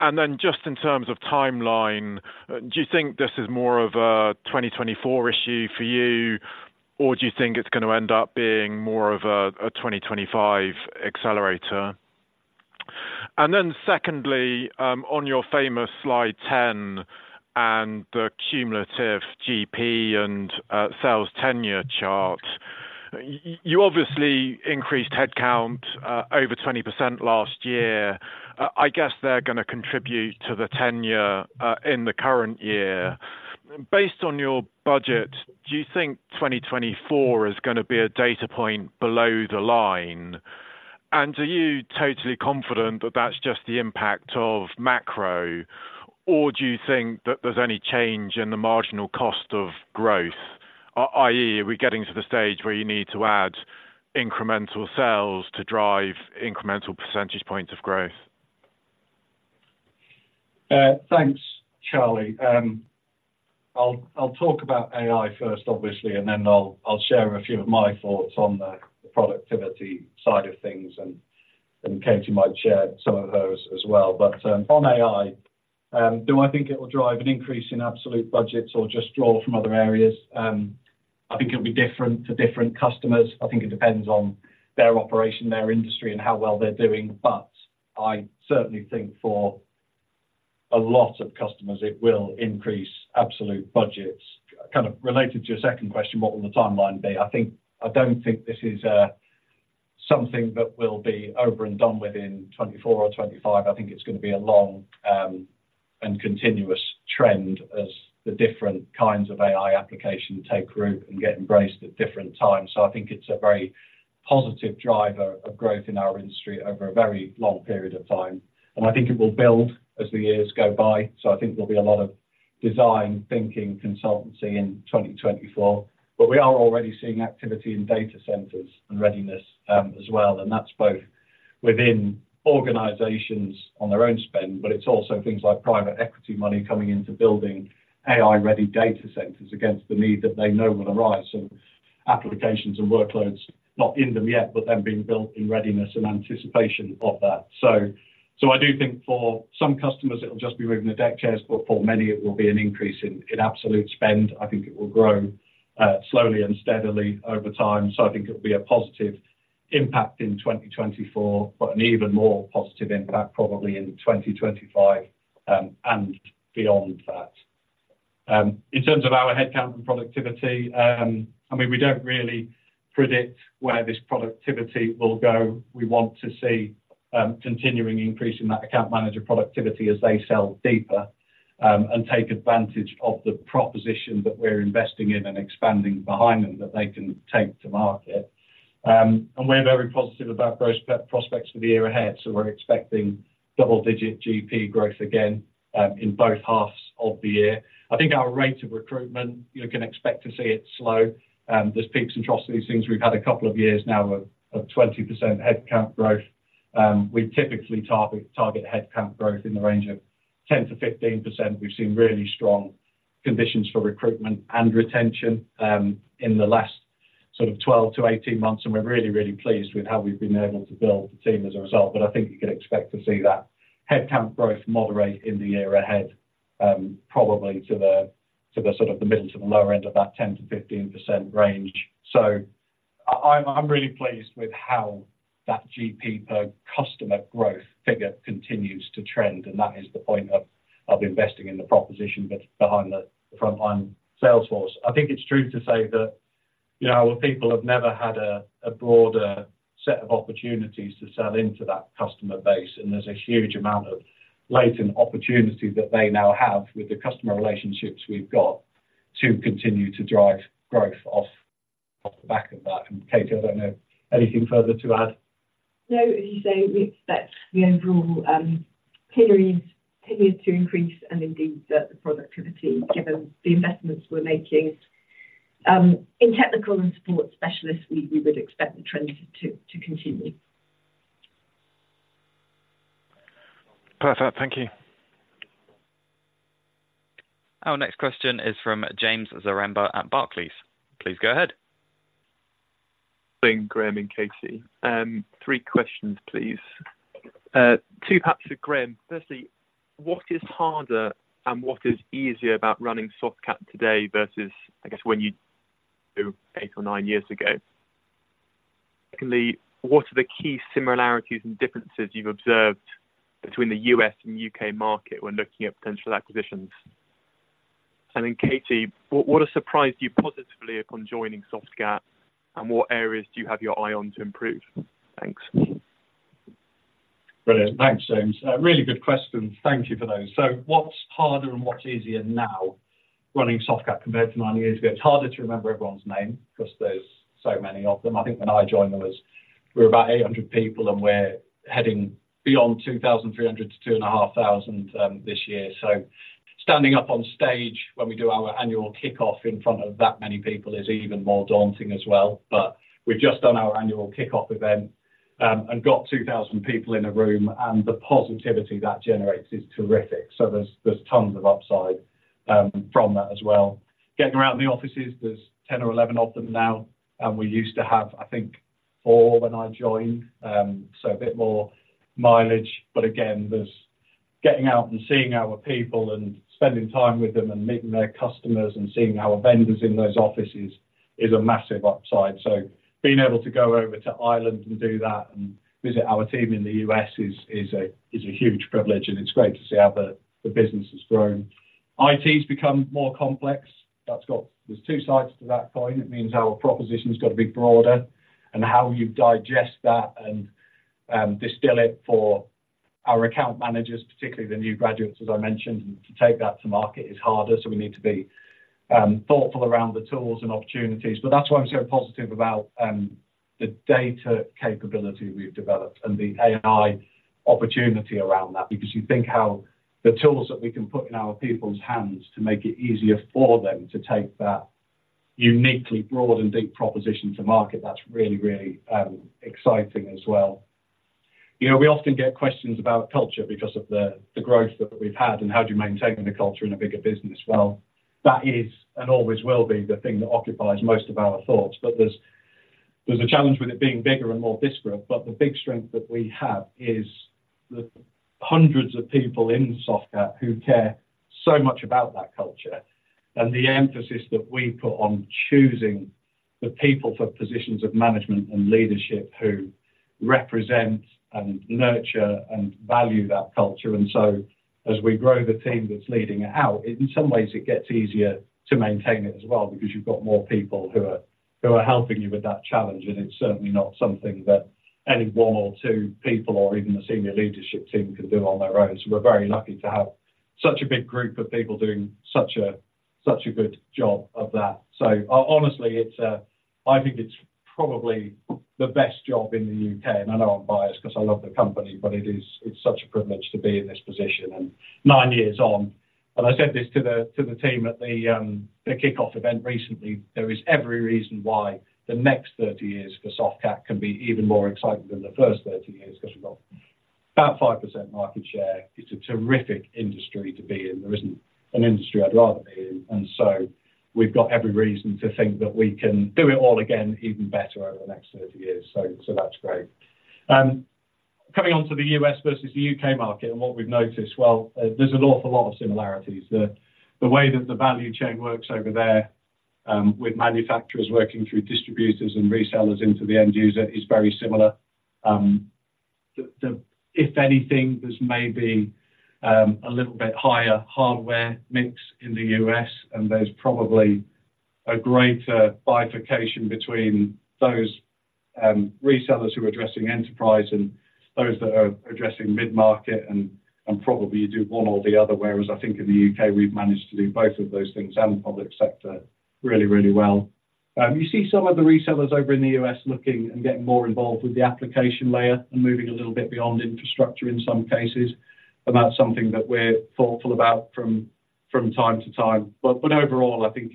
And then just in terms of timeline, do you think this is more of a 2024 issue for you, or do you think it's going to end up being more of a 2025 accelerator? And then secondly, on your famous slide 10 and the cumulative GP and sales tenure chart, you obviously increased headcount over 20% last year. I guess they're gonna contribute to the tenure in the current year. Based on your budget, do you think 2024 is gonna be a data point below the line? And are you totally confident that that's just the impact of macro, or do you think that there's any change in the marginal cost of growth? I.e., are we getting to the stage where you need to add incremental sales to drive incremental percentage points of growth? Thanks, Charlie. I'll talk about AI first, obviously, and then I'll share a few of my thoughts on the productivity side of things, and Katie might share some of hers as well. But on AI, do I think it will drive an increase in absolute budgets or just draw from other areas? I think it'll be different to different customers. I think it depends on their operation, their industry, and how well they're doing, but I certainly think for a lot of customers, it will increase absolute budgets. Kind of related to your second question, what will the timeline be? I think. I don't think this is something that will be over and done within 2024 or 2025. I think it's going to be a long, and continuous trend as the different kinds of AI applications take root and get embraced at different times. So I think it's a very positive driver of growth in our industry over a very long period of time, and I think it will build as the years go by. So I think there'll be a lot of design thinking consultancy in 2024. But we are already seeing activity in data centers and readiness, as well, and that's both within organizations on their own spend, but it's also things like private equity money coming into building AI-ready data centers against the need that they know will arise. So applications and workloads, not in them yet, but them being built in readiness and anticipation of that. So, I do think for some customers, it'll just be moving the deck chairs, but for many, it will be an increase in absolute spend. I think it will grow, slowly and steadily over time. So I think it'll be a positive impact in 2024, but an even more positive impact probably in 2025, and beyond that. In terms of our headcount and productivity, I mean, we don't really predict where this productivity will go. We want to see continuing increase in that account manager productivity as they sell deeper, and take advantage of the proposition that we're investing in and expanding behind them that they can take to market. And we're very positive about those prospects for the year ahead, so we're expecting double-digit GP growth again, in both halves of the year. I think our rate of recruitment, you can expect to see it slow. There's peaks and troughs to these things. We've had a couple of years now of, of 20% headcount growth. We typically target, target headcount growth in the range of 10%-15%. We've seen really strong conditions for recruitment and retention, in the last sort of 12-18 months, and we're really, really pleased with how we've been able to build the team as a result. But I think you can expect to see that headcount growth moderate in the year ahead, probably to the, to the sort of the middle to the lower end of that 10%-15% range. So I'm really pleased with how that GP per customer growth figure continues to trend, and that is the point of investing in the proposition behind the frontline sales force. I think it's true to say that, you know, our people have never had a broader set of opportunities to sell into that customer base, and there's a huge amount of latent opportunity that they now have with the customer relationships we've got to continue to drive growth off the back of that. And, Katie, I don't know, anything further to add? No, as you say, we expect the overall pillar is continued to increase and indeed the productivity, given the investments we're making in technical and support specialists. We would expect the trend to continue. Perfect. Thank you. Our next question is from James Sherborne at Barclays. Please go ahead. Good morning, Graham and Katie. Three questions, please. Two perhaps for Graham. Firstly, what is harder and what is easier about running Softcat today versus, I guess, when you did eight or nine years ago? Secondly, what are the key similarities and differences you've observed between the US and UK market when looking at potential acquisitions? And then, Katie, what has surprised you positively upon joining Softcat, and what areas do you have your eye on to improve? Thanks. Brilliant. Thanks, James. Really good questions. Thank you for those. So what's harder and what's easier now running Softcat compared to 9 years ago? It's harder to remember everyone's name because there's so many of them. I think when I joined, there was—we were about 800 people, and we're heading beyond 2,300 to 2,500 this year. So standing up on stage when we do our annual kickoff in front of that many people is even more daunting as well. But we've just done our annual kickoff event, and got 2,000 people in a room, and the positivity that generates is terrific. So there's, there's tons of upside from that as well. Getting around the offices, there's 10 or 11 of them now, and we used to have, I think, 4 when I joined. So a bit more mileage, but again, there's getting out and seeing our people and spending time with them and meeting their customers and seeing our vendors in those offices is a massive upside. So being able to go over to Ireland and do that and visit our team in the US is a huge privilege, and it's great to see how the business has grown. IT's become more complex. That's got two sides to that coin. It means our proposition's got to be broader, and how you digest that and distill it for our account managers, particularly the new graduates, as I mentioned, to take that to market is harder. So we need to be thoughtful around the tools and opportunities. But that's why I'm so positive about the data capability we've developed and the AI opportunity around that, because you think how the tools that we can put in our people's hands to make it easier for them to take that uniquely broad and deep proposition to market, that's really, really exciting as well. You know, we often get questions about culture because of the growth that we've had, and how do you maintain the culture in a bigger business? Well, that is and always will be the thing that occupies most of our thoughts, but there's a challenge with it being bigger and more disparate. But the big strength that we have is the hundreds of people in Softcat who care so much about that culture and the emphasis that we put on choosing the people for positions of management and leadership who represent and nurture and value that culture. And so as we grow the team that's leading it out, in some ways, it gets easier to maintain it as well because you've got more people who are, who are helping you with that challenge, and it's certainly not something that any one or two people or even a senior leadership team can do on their own. So we're very lucky to have such a big group of people doing such a, such a good job of that. So honestly, it's, I think it's probably the best job in the U.K., and I know I'm biased because I love the company, but it is, it's such a privilege to be in this position. And nine years on, and I said this to the, to the team at the, the kickoff event recently, there is every reason why the next 30 years for Softcat can be even more exciting than the first 30 years, because we've got about 5% market share. It's a terrific industry to be in. There isn't an industry I'd rather be in, and so we've got every reason to think that we can do it all again, even better over the next 30 years. So, so that's great. Coming on to the US versus the U.K. market and what we've noticed, well, there's an awful lot of similarities. The way that the value chain works over there, with manufacturers working through distributors and resellers into the end user is very similar. If anything, there's maybe a little bit higher hardware mix in the U.S., and there's probably a greater bifurcation between those resellers who are addressing enterprise and those that are addressing mid-market, and probably you do one or the other. Whereas I think in the U.K., we've managed to do both of those things and the public sector really, really well. You see some of the resellers over in the U.S. looking and getting more involved with the application layer and moving a little bit beyond infrastructure in some cases. And that's something that we're thoughtful about from time to time, but overall, I think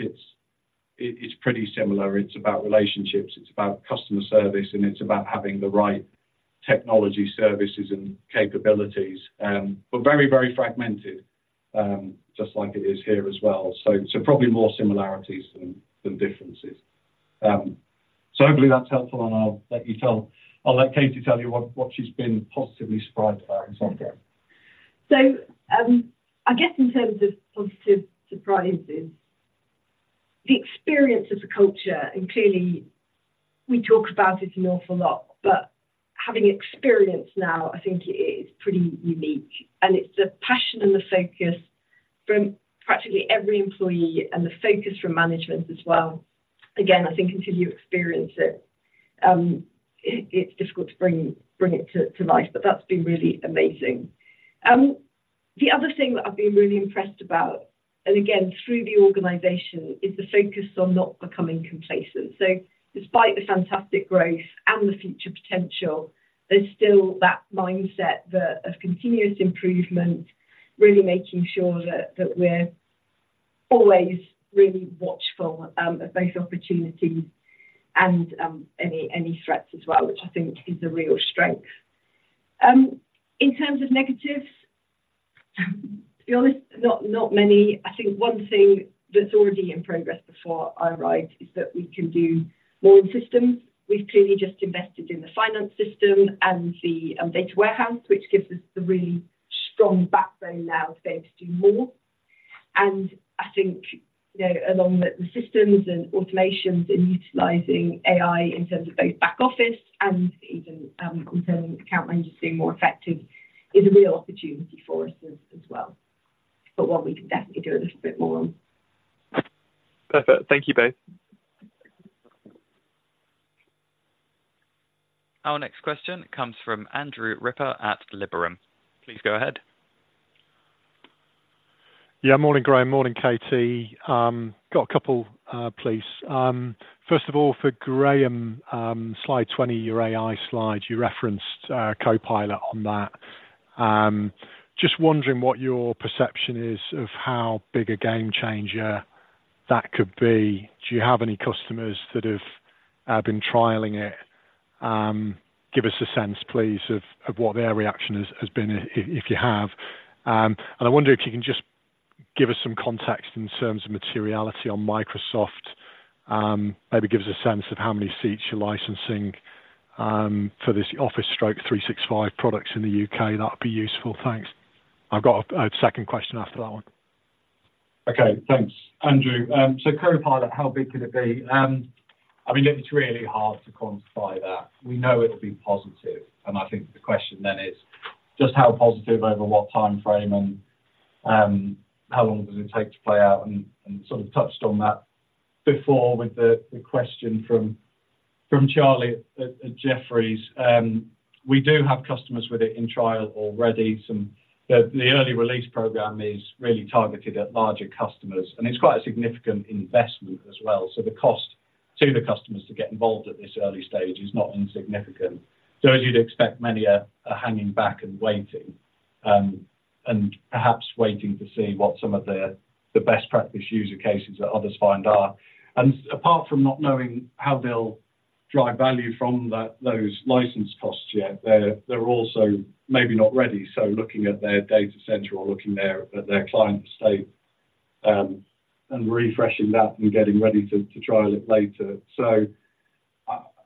it's pretty similar. It's about relationships, it's about customer service, and it's about having the right technology, services, and capabilities. But very, very fragmented, just like it is here as well. So probably more similarities than differences. So hopefully that's helpful, and I'll let Katie tell you what she's been positively surprised about in Softcat. So, I guess in terms of positive surprises, the experience as a culture, and clearly we talk about it an awful lot, but having experience now, I think it is pretty unique. And it's the passion and the focus from practically every employee and the focus from management as well. Again, I think until you experience it, it, it's difficult to bring it to life, but that's been really amazing. The other thing that I've been really impressed about, and again, through the organization, is the focus on not becoming complacent. So despite the fantastic growth and the future potential, there's still that mindset of continuous improvement, really making sure that we're always really watchful of both opportunities and any threats as well, which I think is a real strength. In terms of negatives, to be honest, not, not many. I think one thing that's already in progress before I arrived is that we can do more in systems. We've clearly just invested in the finance system and the data warehouse, which gives us the really strong backbone now being able to do more. And I think, you know, along with the systems and automations and utilizing AI in terms of both back office and even in terms of account managers being more effective, is a real opportunity for us as, as well. But one we can definitely do a little bit more on. Perfect. Thank you both. Our next question comes from Andrew Sheridan at Liberum. Please go ahead. Yeah. Morning, Graham. Morning, Katie. Got a couple, please. First of all, for Graham, slide 20, your AI slide, you referenced Copilot on that. Just wondering what your perception is of how big a game changer that could be. Do you have any customers that have been trialing it? Give us a sense, please, of what their reaction has been if you have. And I wonder if you can just give us some context in terms of materiality on Microsoft. Maybe give us a sense of how many seats you're licensing for this Office 365 products in the UK. That would be useful. Thanks. I've got a second question after that one. Okay. Thanks, Andrew. So Copilot, how big could it be? I mean, it's really hard to quantify that. We know it'll be positive, and I think the question then is just how positive over what time frame and how long does it take to play out? And sort of touched on that before with the question from Charlie at Jefferies. We do have customers with it in trial already. The early release program is really targeted at larger customers, and it's quite a significant investment as well. So the cost to the customers to get involved at this early stage is not insignificant. So as you'd expect, many are hanging back and waiting, and perhaps waiting to see what some of the best practice use cases that others find are. Apart from not knowing how they'll drive value from that, those license costs yet, they're also maybe not ready. So looking at their data center or looking at their client state, and refreshing that and getting ready to trial it later. So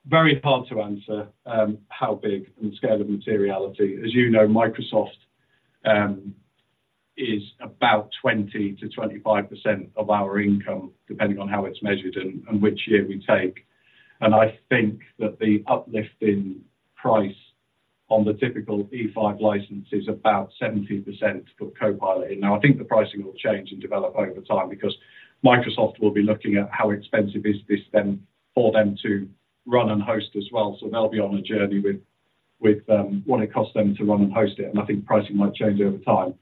very hard to answer how big and the scale of materiality. As you know, Microsoft is about 20%-25% of our income, depending on how it's measured and which year we take. And I think that the uplift in price on the typical E5 license is about 70% for Copilot. Now, I think the pricing will change and develop over time because Microsoft will be looking at how expensive is this then for them to run and host as well. So they'll be on a journey with, with, what it costs them to run and host it, and I think pricing might change over time.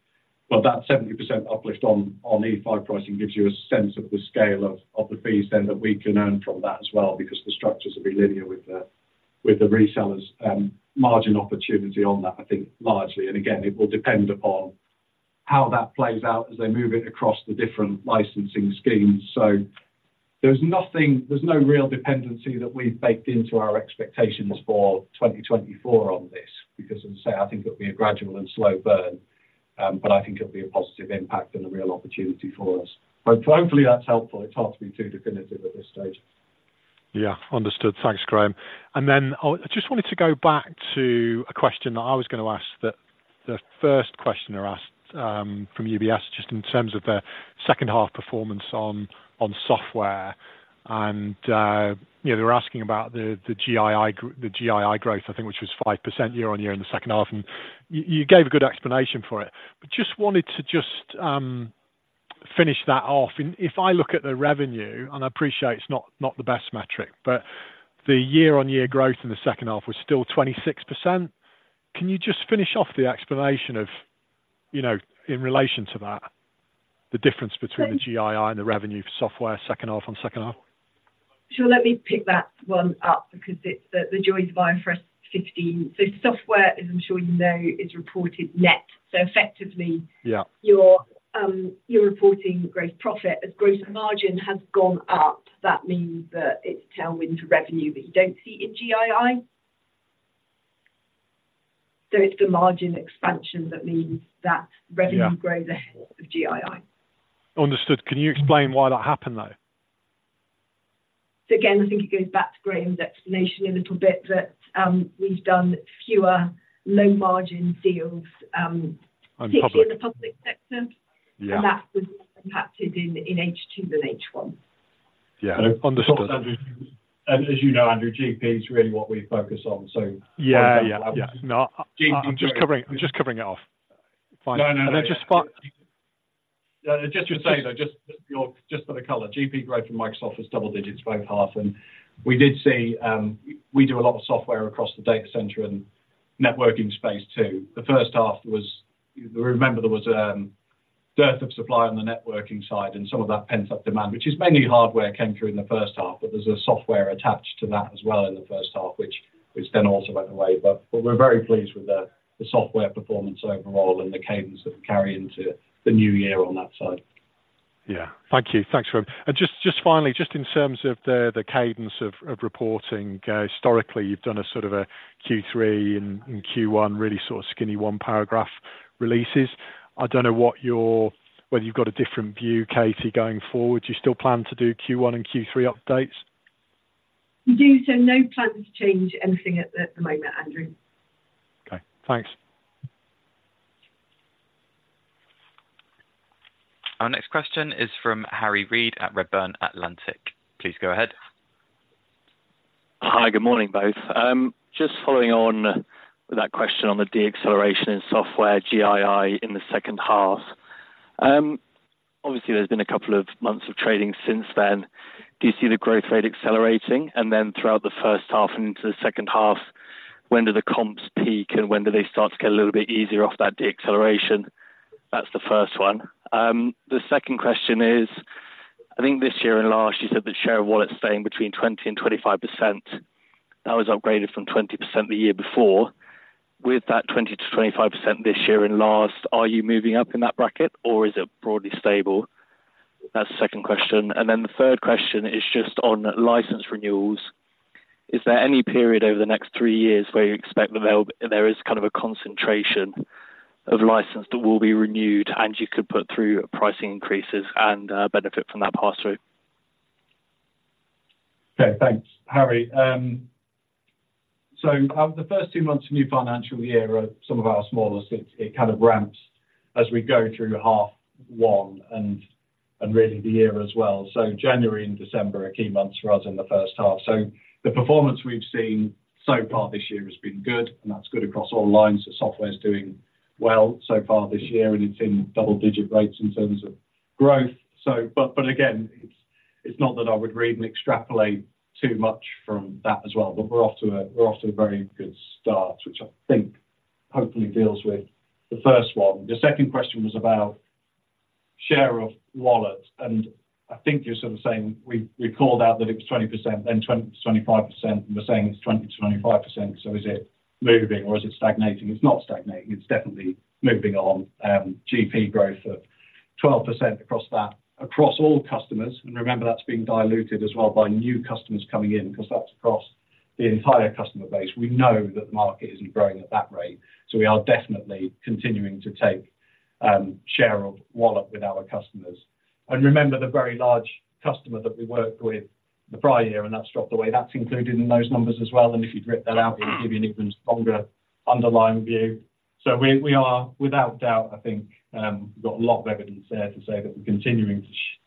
But that 70% uplift on, on E5 pricing gives you a sense of the scale of, of the fees then that we can earn from that as well, because the structures will be linear with the, with the resellers, margin opportunity on that, I think largely. And again, it will depend upon how that plays out as they move it across the different licensing schemes. So there's nothing, there's no real dependency that we've baked into our expectations for 2024 on this, because as I say, I think it'll be a gradual and slow burn, but I think it'll be a positive impact and a real opportunity for us. So hopefully, that's helpful. It's hard to be too definitive at this stage. Yeah. Understood. Thanks, Graham. And then I just wanted to go back to a question that I was gonna ask, that the first questioner asked, from UBS, just in terms of the second half performance on software. And you know, they were asking about the GII, the GII growth, I think, which was 5% year-on-year in the second half. You gave a good explanation for it, but just wanted to finish that off. And if I look at the revenue, and I appreciate it's not the best metric, but the year-on-year growth in the second half was still 26%. Can you just finish off the explanation of, you know, in relation to that, the difference between the GII and the revenue for software, second half on second half? Sure. Let me pick that one up because it's the joint buyer for us 15. So software, as I'm sure you know, is reported net. So effectively- Yeah... you're, you're reporting gross profit. As gross margin has gone up, that means that it's tailwind to revenue that you don't see in GII. So it's the margin expansion that means that revenue- Yeah grows ahead of GII. Understood. Can you explain why that happened, though? So again, I think it goes back to Graham's explanation a little bit, that we've done fewer low-margin deals, On public... particularly in the public sector. Yeah. And that was impacted in H2 than H1. Yeah, understood. As you know, Andrew, GP is really what we focus on, so- Yeah, yeah, yeah. No, I'm just covering, I'm just covering it off. Fine. No, no, no. I just spot. Yeah, I just would say, though, just for the color, GP growth in Microsoft is double digits, both half. And we did see, we do a lot of software across the data center and networking space, too. The first half was—remember, there was a dearth of supply on the networking side, and some of that pent-up demand, which is mainly hardware, came through in the first half, but there's a software attached to that as well in the first half, which then also went away. But we're very pleased with the software performance overall and the cadence that will carry into the new year on that side. Yeah. Thank you. Thanks, Graham. And just, just finally, just in terms of the, the cadence of, of reporting, historically, you've done a sort of a Q3 and, and Q1, really sort of skinny one paragraph releases. I don't know what your—whether you've got a different view, Katie, going forward. Do you still plan to do Q1 and Q3 updates? We do, so no plans to change anything at the, at the moment, Andrew. Okay, thanks. Our next question is from Harry Read at Redburn Atlantic. Please go ahead. Hi, good morning, both. Just following on with that question on the deceleration in software GII in the second half. Obviously, there's been a couple of months of trading since then. Do you see the growth rate accelerating? And then throughout the first half and into the second half, when do the comps peak, and when do they start to get a little bit easier off that deceleration? That's the first one. The second question is, I think this year and last, you said the share of wallet staying between 20% and 25%. That was upgraded from 20% the year before. With that 20%-25% this year and last, are you moving up in that bracket, or is it broadly stable? That's the second question. Then the third question is just on license renewals. Is there any period over the next three years where you expect there is kind of a concentration of license that will be renewed, and you could put through pricing increases and benefit from that passthrough? Okay, thanks, Harry. So, the first two months of new financial year are some of our smallest. It, it kind of ramps as we go through half one and, and really the year as well. So January and December are key months for us in the first half. So the performance we've seen so far this year has been good, and that's good across all lines. The software is doing well so far this year, and it's in double-digit rates in terms of growth. So, but, but again, it's, it's not that I would read and extrapolate too much from that as well, but we're off to a, we're off to a very good start, which I think hopefully deals with the first one. The second question was about share of wallet, and I think you're sort of saying we, we called out that it was 20%, then 25%, and we're saying it's 20%-25%. So is it moving, or is it stagnating? It's not stagnating. It's definitely moving on, GP growth of 12% across that, across all customers. And remember, that's being diluted as well by new customers coming in, because that's across the entire customer base. We know that the market isn't growing at that rate, so we are definitely continuing to take, share of wallet with our customers. And remember the very large customer that we worked with the prior year, and that's dropped away. That's included in those numbers as well. And if you drip that out, it'll give you an even stronger underlying view. So we are, without doubt, I think, we've got a lot of evidence there to say that we're continuing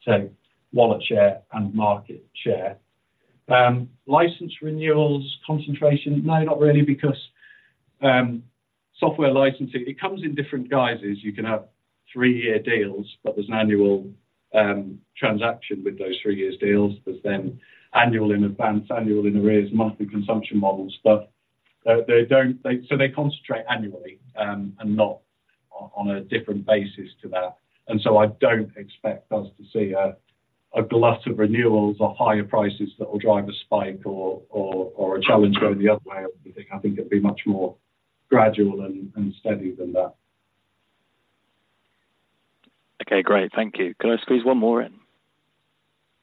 to take wallet share and market share. License renewals, concentration? No, not really, because software licensing, it comes in different guises. You can have three-year deals, but there's an annual transaction with those three-year deals. There's then annual in advance, annual in arrears, monthly consumption models, but they don't. They, so they concentrate annually and not on a different basis to that. And so I don't expect us to see a glut of renewals or higher prices that will drive a spike or a challenge going the other way or anything. I think it'll be much more gradual and steady than that. Okay, great. Thank you. Can I squeeze one more in?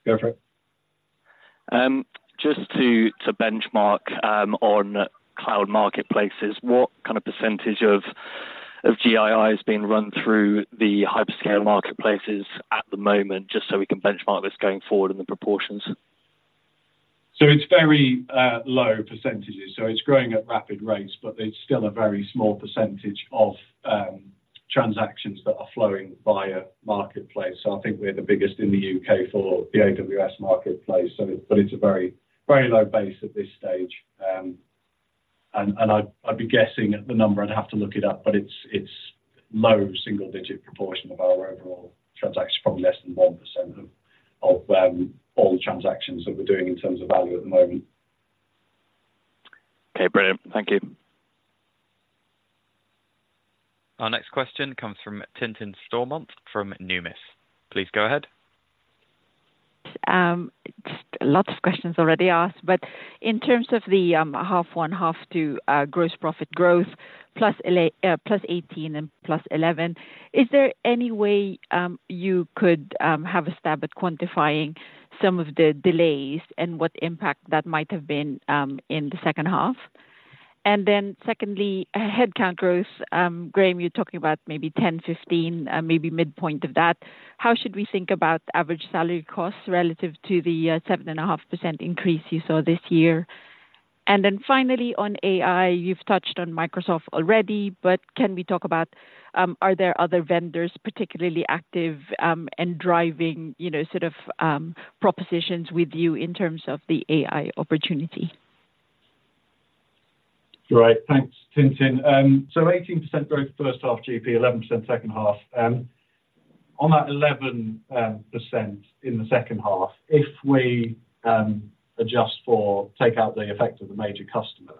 Go for it. Just to benchmark on cloud marketplaces, what kind of percentage of GII is being run through the hyperscale marketplaces at the moment, just so we can benchmark this going forward in the proportions? So it's very low percentages, so it's growing at rapid rates, but it's still a very small percentage of transactions that are flowing via Marketplace. So I think we're the biggest in the U.K. for the AWS Marketplace. So but it's a very, very low base at this stage. And I'd be guessing at the number, I'd have to look it up, but it's low single digit proportion of our overall transactions, probably less than 1% of all the transactions that we're doing in terms of value at the moment. Okay, brilliant. Thank you. Our next question comes from Tintin Stormont from Numis. Please go ahead. Lots of questions already asked, but in terms of the half one, half two gross profit growth, +18 and +11, is there any way you could have a stab at quantifying some of the delays and what impact that might have been in the second half? And then secondly, headcount growth. Graham, you're talking about maybe 10, 15, maybe midpoint of that. How should we think about average salary costs relative to the 7.5% increase you saw this year? And then finally, on AI, you've touched on Microsoft already, but can we talk about are there other vendors, particularly active and driving, you know, sort of propositions with you in terms of the AI opportunity? Right. Thanks, Tintin. So 18% growth first half GP, 11% second half. On that 11% in the second half, if we adjust for take out the effect of the major customer,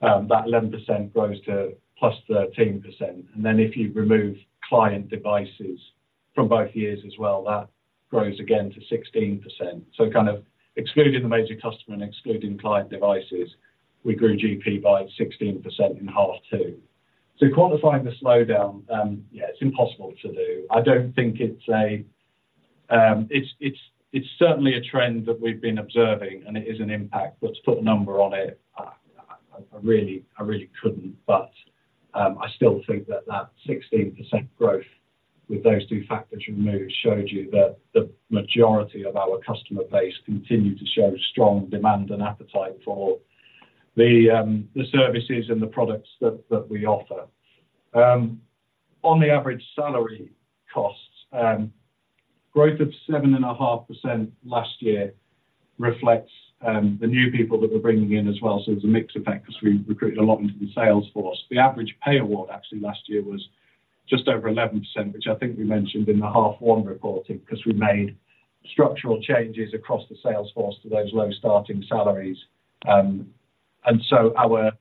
that 11% grows to +13%. And then if you remove client devices from both years as well, that grows again to 16%. So kind of excluding the major customer and excluding client devices, we grew GP by 16% in half two. So quantifying the slowdown, yeah, it's impossible to do. I don't think it's a. It's, it's, it's certainly a trend that we've been observing, and it is an impact, but to put a number on it, I, I, I really, I really couldn't. But, I still think that that 16% growth with those two factors removed showed you that the majority of our customer base continue to show strong demand and appetite for the, the services and the products that, that we offer. On the average salary costs, growth of 7.5% last year reflects, the new people that we're bringing in as well. So there's a mixed effect because we recruited a lot into the sales force. The average pay award, actually last year was just over 11%, which I think we mentioned in the half one reporting, because we made structural changes across the sales force to those low starting salaries. And so our,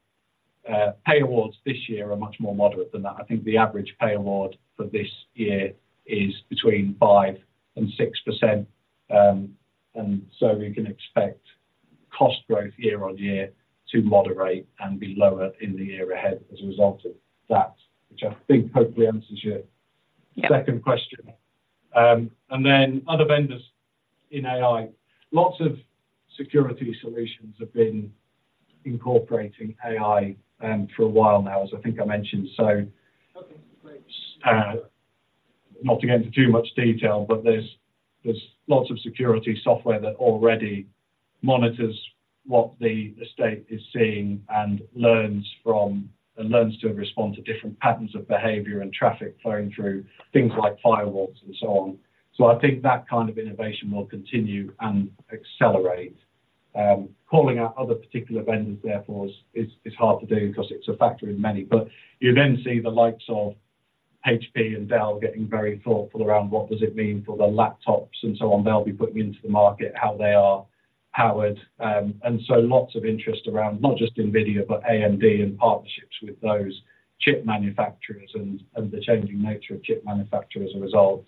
pay awards this year are much more moderate than that. I think the average pay award for this year is between 5% and 6%, and so we can expect cost growth year-on-year to moderate and be lower in the year ahead as a result of that, which I think hopefully answers your- Yeah. Second question. And then other vendors in AI. Lots of security solutions have been incorporating AI for a while now, as I think I mentioned. So, not to get into too much detail, but there's lots of security software that already monitors what the estate is seeing and learns from, and learns to respond to different patterns of behavior and traffic flowing through things like firewalls and so on. So I think that kind of innovation will continue and accelerate. Calling out other particular vendors, therefore, is hard to do because it's a factor in many. But you then see the likes of HP and Dell getting very thoughtful around what does it mean for the laptops and so on they'll be putting into the market, how they are powered. Lots of interest around not just NVIDIA, but AMD and partnerships with those chip manufacturers and the changing nature of chip manufacturer as a result.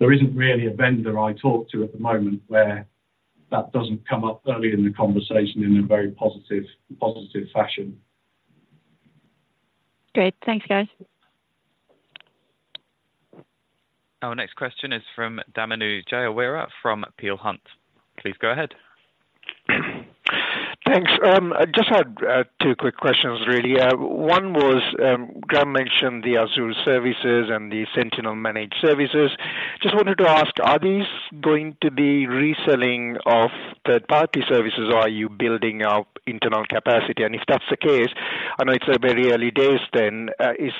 There isn't really a vendor I talk to at the moment where that doesn't come up early in the conversation in a very positive fashion. Great. Thanks, guys. Our next question is from Damindu Jayaweera from Peel Hunt. Please go ahead. Thanks. I just had two quick questions, really. One was, Graham mentioned the Azure services and the Sentinel Managed services. Just wanted to ask, are these going to be reselling of third-party services, or are you building out internal capacity? And if that's the case, I know it's a very early days then, is.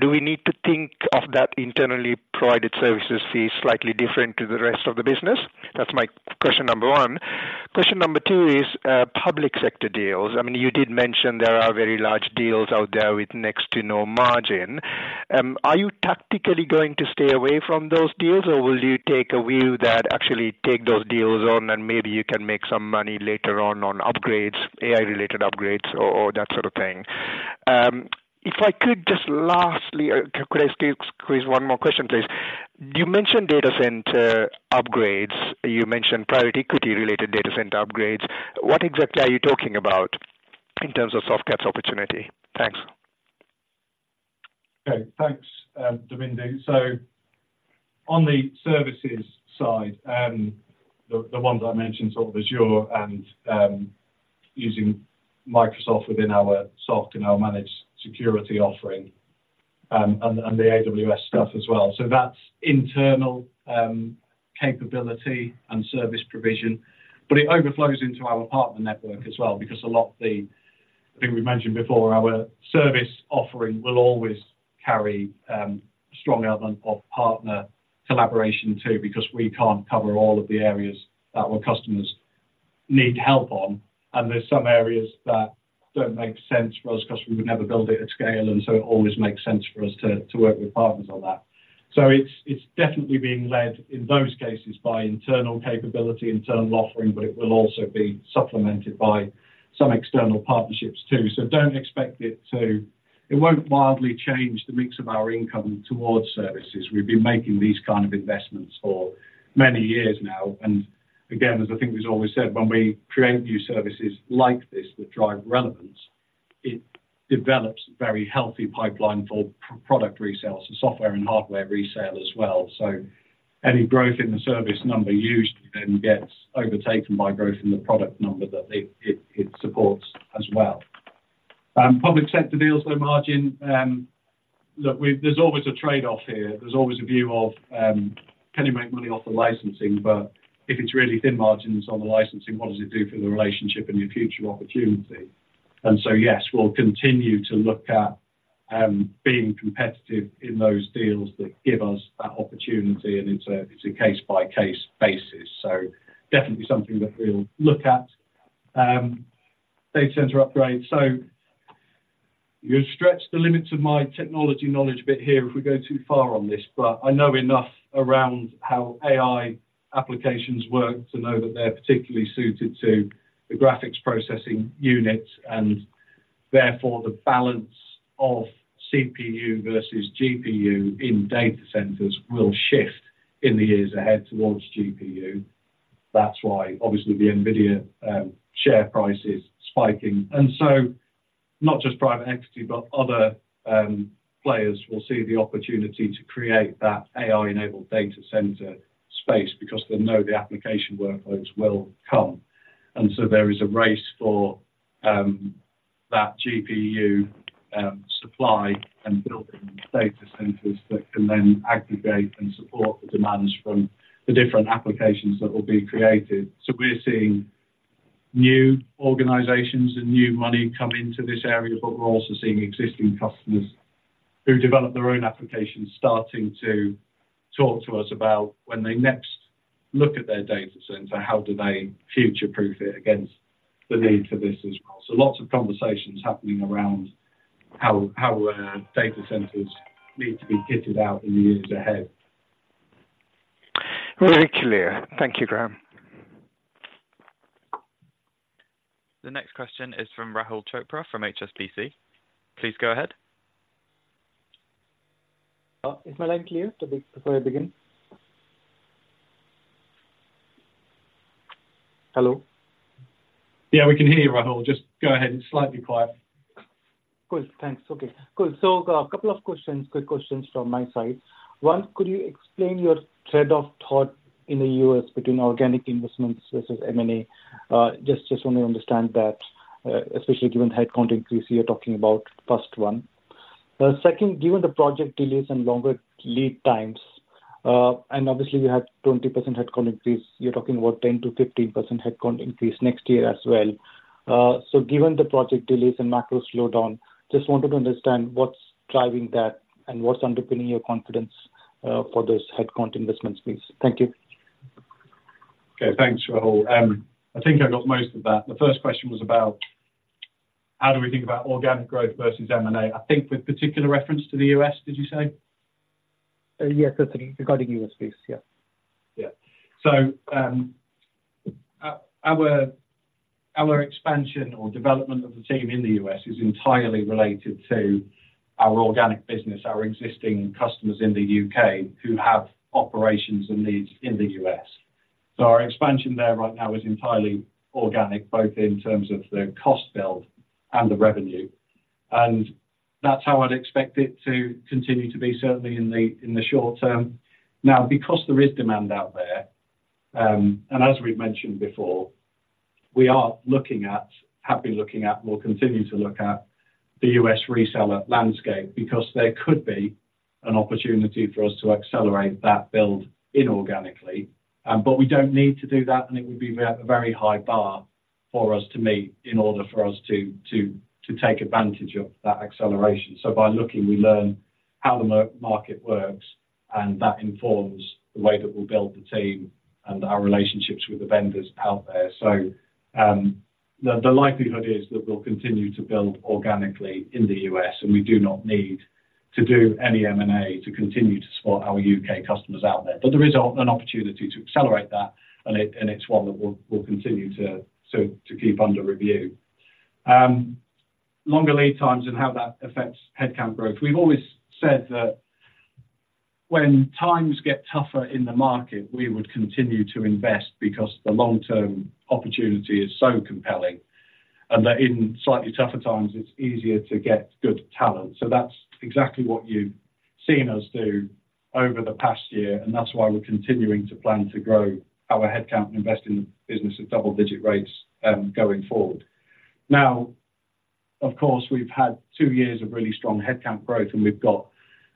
Do we need to think of that internally provided services fee slightly different to the rest of the business? That's my question number one. Question number two is, public sector deals. I mean, you did mention there are very large deals out there with next to no margin. Are you tactically going to stay away from those deals, or will you take a view that actually take those deals on and maybe you can make some money later on, on upgrades, AI-related upgrades or, or that sort of thing? If I could just lastly, could I still squeeze one more question, please? You mentioned data center upgrades. You mentioned private equity-related data center upgrades. What exactly are you talking about in terms of Softcat's opportunity? Thanks. Okay. Thanks, Damindu. So on the services side, the ones I mentioned, sort of Azure and using Microsoft within our Softcat and our managed security offering, and the AWS stuff as well. So that's internal capability and service provision, but it overflows into our partner network as well, because a lot of the—I think we've mentioned before, our service offering will always carry strong element of partner collaboration, too, because we can't cover all of the areas that our customers need help on. And there's some areas that don't make sense for us, because we would never build it at scale, and so it always makes sense for us to work with partners on that. So it's definitely being led in those cases by internal capability, internal offering, but it will also be supplemented by some external partnerships, too. So don't expect it to. It won't wildly change the mix of our income towards services. We've been making these kind of investments for many years now, and again, as I think we've always said, when we create new services like this that drive relevance, it develops a very healthy pipeline for product resales, so software and hardware resale as well. So any growth in the service number usually then gets overtaken by growth in the product number that it supports as well. Public sector deals, low margin, look, we've. There's always a trade-off here. There's always a view of, can you make money off the licensing? But if it's really thin margins on the licensing, what does it do for the relationship and your future opportunity? And so, yes, we'll continue to look at, being competitive in those deals that give us that opportunity, and it's a, it's a case-by-case basis, so definitely something that we'll look at. Data center upgrades. So you'll stretch the limits of my technology knowledge a bit here if we go too far on this, but I know enough around how AI applications work to know that they're particularly suited to the graphics processing units, and therefore the balance of CPU versus GPU in data centers will shift in the years ahead towards GPU. That's why obviously the NVIDIA, share price is spiking. And so not just private equity, but other, players will see the opportunity to create that AI-enabled data center space because they know the application workloads will come. And so there is a race for that GPU supply and building data centers that can then aggregate and support the demands from the different applications that will be created. So we're seeing new organizations and new money come into this area, but we're also seeing existing customers who develop their own applications starting to talk to us about when they next look at their data center, how do they future-proof it against the need for this as well? So lots of conversations happening around how data centers need to be kitted out in the years ahead. Really clear. Thank you, Graham. The next question is from Rahul Chopra from HSBC. Please go ahead. Is my line clear before I begin? Hello? Yeah, we can hear you, Rahul. Just go ahead. It's slightly quiet. Cool. Thanks. Okay, cool. So a couple of questions, quick questions from my side. One, could you explain your train of thought in the U.S. between organic investments versus M&A? Just, just want to understand that, especially given headcount increase you're talking about, first one. Second, given the project delays and longer lead times, and obviously you had 20% headcount increase, you're talking about 10%-15% headcount increase next year as well. So given the project delays and macro slowdown, just wanted to understand what's driving that and what's underpinning your confidence for those headcount investments, please. Thank you. Okay. Thanks, Rahul. I think I got most of that. The first question was about how do we think about organic growth versus M&A? I think with particular reference to the U.S., did you say? Yes, certainly, regarding U.S., please. Yeah. Yeah. So, our expansion or development of the team in the U.S. is entirely related to our organic business, our existing customers in the U.K. who have operations and needs in the U.S. So our expansion there right now is entirely organic, both in terms of the cost build and the revenue, and that's how I'd expect it to continue to be, certainly in the short term. Now, because there is demand out there, and as we've mentioned before, we are looking at, have been looking at, and will continue to look at the U.S. reseller landscape because there could be an opportunity for us to accelerate that build inorganically. But we don't need to do that, and it would be a very high bar for us to meet in order for us to take advantage of that acceleration. So by looking, we learn how the market works, and that informs the way that we build the team and our relationships with the vendors out there. So, the likelihood is that we'll continue to build organically in the U.S., and we do not need to do any M&A to continue to support our U.K. customers out there. But there is an opportunity to accelerate that, and it's one that we'll continue to keep under review. Longer lead times and how that affects headcount growth. We've always said that when times get tougher in the market, we would continue to invest because the long-term opportunity is so compelling, and that in slightly tougher times, it's easier to get good talent. So that's exactly what you've seen us do over the past year, and that's why we're continuing to plan to grow our headcount and invest in the business at double-digit rates going forward. Of course, we've had two years of really strong headcount growth, and we've got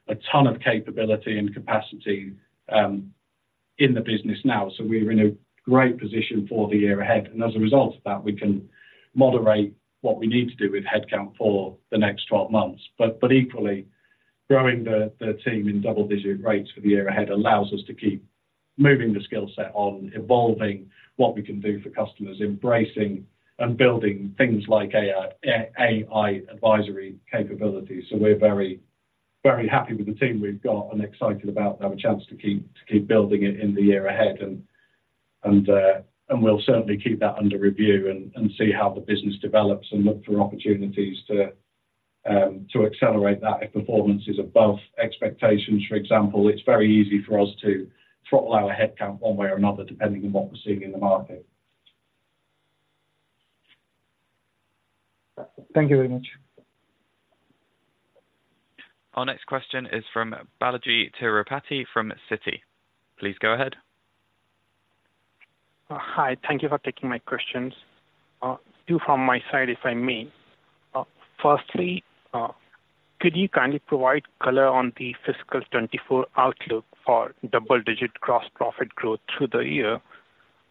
a ton of capability and capacity in the business now. So we're in a great position for the year ahead, and as a result of that, we can moderate what we need to do with headcount for the next 12 months. But equally, growing the team in double-digit rates for the year ahead allows us to keep moving the skill set on, evolving what we can do for customers, embracing and building things like AI, AI advisory capabilities. So we're very, very happy with the team we've got and excited about having a chance to keep building it in the year ahead. And we'll certainly keep that under review and see how the business develops and look for opportunities to accelerate that. If performance is above expectations, for example, it's very easy for us to throttle our headcount one way or another, depending on what we're seeing in the market. Thank you very much. Our next question is from Balaji Tirupati, from Citi. Please, go ahead. Hi. Thank you for taking my questions. Two from my side, if I may. Firstly, could you kindly provide color on the fiscal 2024 outlook for double-digit gross profit growth through the year?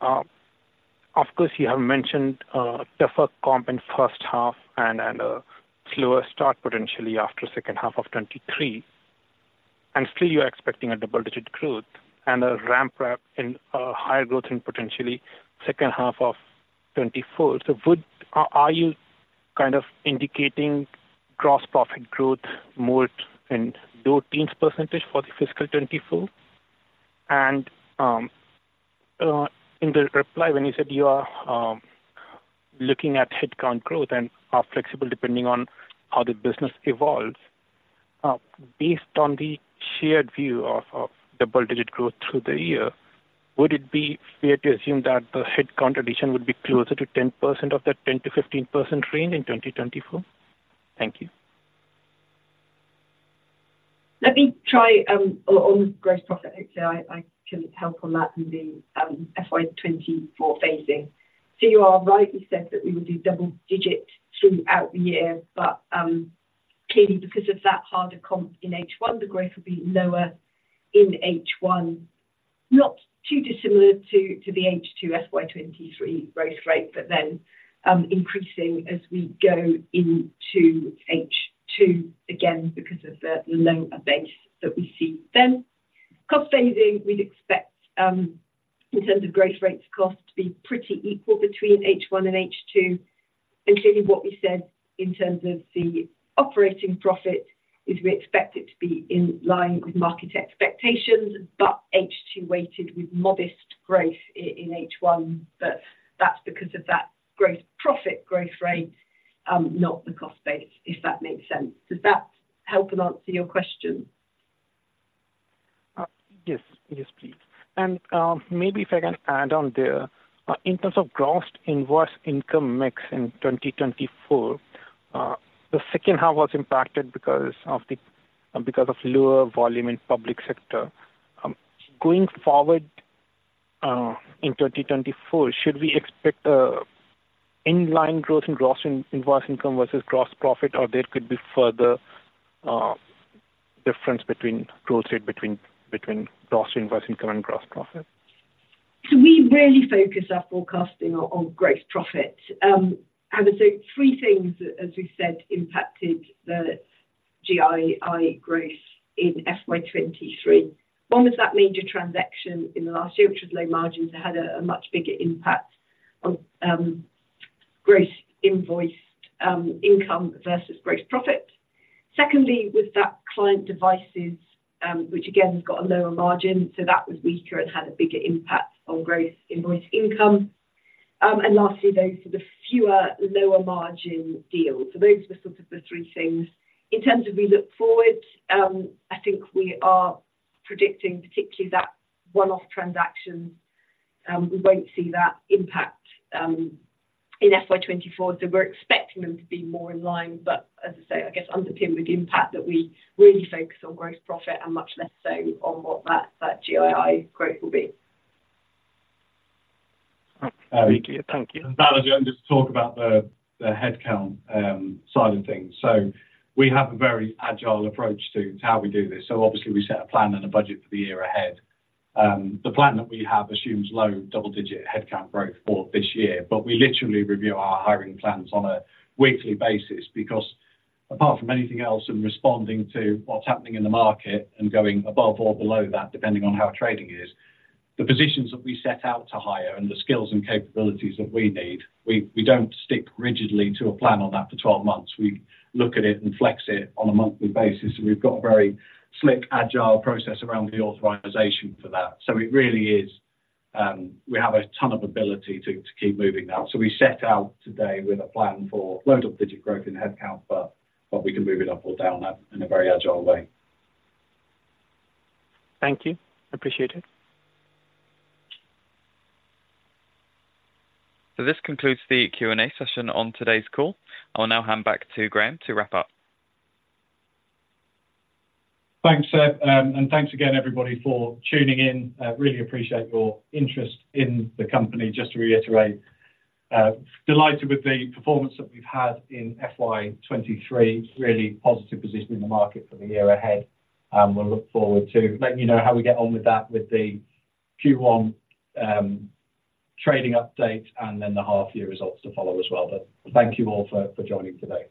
Of course, you have mentioned, tougher comp in first half and, and a slower start, potentially after second half of 2023, and still you're expecting a double-digit growth and a ramp-up in, higher growth in potentially second half of 2024. So would-- are, are you kind of indicating gross profit growth more in low teens% for the fiscal 2024? In the reply, when you said you are looking at headcount growth and are flexible depending on how the business evolves, based on the shared view of double-digit growth through the year, would it be fair to assume that the headcount addition would be closer to 10% of that 10%-15% range in 2024? Thank you. Let me try on the gross profit. Actually, I can help on that in the FY 2024 phasing. So you are right, we said that we would do double digit throughout the year, but clearly because of that harder comp in H1, the growth will be lower in H1, not too dissimilar to the H2 FY 2023 growth rate, but then increasing as we go into H2, again, because of the lower base that we see then. Cost phasing, we'd expect in terms of growth rates cost to be pretty equal between H1 and H2, and clearly what we said in terms of the operating profit is we expect it to be in line with market expectations, but H2 weighted with modest growth in H1. But that's because of that gross profit growth rate, not the cost base, if that makes sense. Does that help and answer your question? Yes. Yes, please. And, maybe if I can add on there, in terms of gross invoiced income mix in 2024, the second half was impacted because of the, because of lower volume in public sector. Going forward, in 2024, should we expect in-line growth in gross invoiced income versus gross profit, or there could be further, difference between growth rate between gross invoiced income and gross profit? So we really focus our forecasting on, on gross profit. And so three things, as we said, impacted the GII growth in FY 2023. One was that major transaction in the last year, which was low margins; it had a much bigger impact on gross invoiced income versus gross profit. Secondly, was that client devices, which again, has got a lower margin, so that was weaker and had a bigger impact on gross invoiced income. And lastly, those were the fewer lower margin deals. So those were sort of the three things. In terms of we look forward, I think we are predicting particularly that one-off transaction, we won't see that impact, in FY 2024, so we're expecting them to be more in line. But as I say, I guess underpinned with the impact that we really focus on gross profit and much less so on what that GII growth will be. Thank you. Thank you. Balaji, and just to talk about the headcount side of things. So we have a very agile approach to how we do this. So obviously, we set a plan and a budget for the year ahead. The plan that we have assumes low double-digit headcount growth for this year, but we literally review our hiring plans on a weekly basis, because apart from anything else and responding to what's happening in the market and going above or below that, depending on how trading is, the positions that we set out to hire and the skills and capabilities that we need, we don't stick rigidly to a plan on that for 12 months. We look at it and flex it on a monthly basis, and we've got a very slick, agile process around the authorization for that. So it really is, we have a ton of ability to keep moving that. So we set out today with a plan for low double-digit growth in headcount, but we can move it up or down that in a very agile way. Thank you. Appreciate it. This concludes the Q&A session on today's call. I'll now hand back to Graham to wrap up. Thanks, Seb, and thanks again everybody for tuning in. I really appreciate your interest in the company. Just to reiterate, delighted with the performance that we've had in FY 2023. Really positive position in the market for the year ahead, and we'll look forward to letting you know how we get on with that with the Q1 trading update and then the half year results to follow as well. But thank you all for joining today.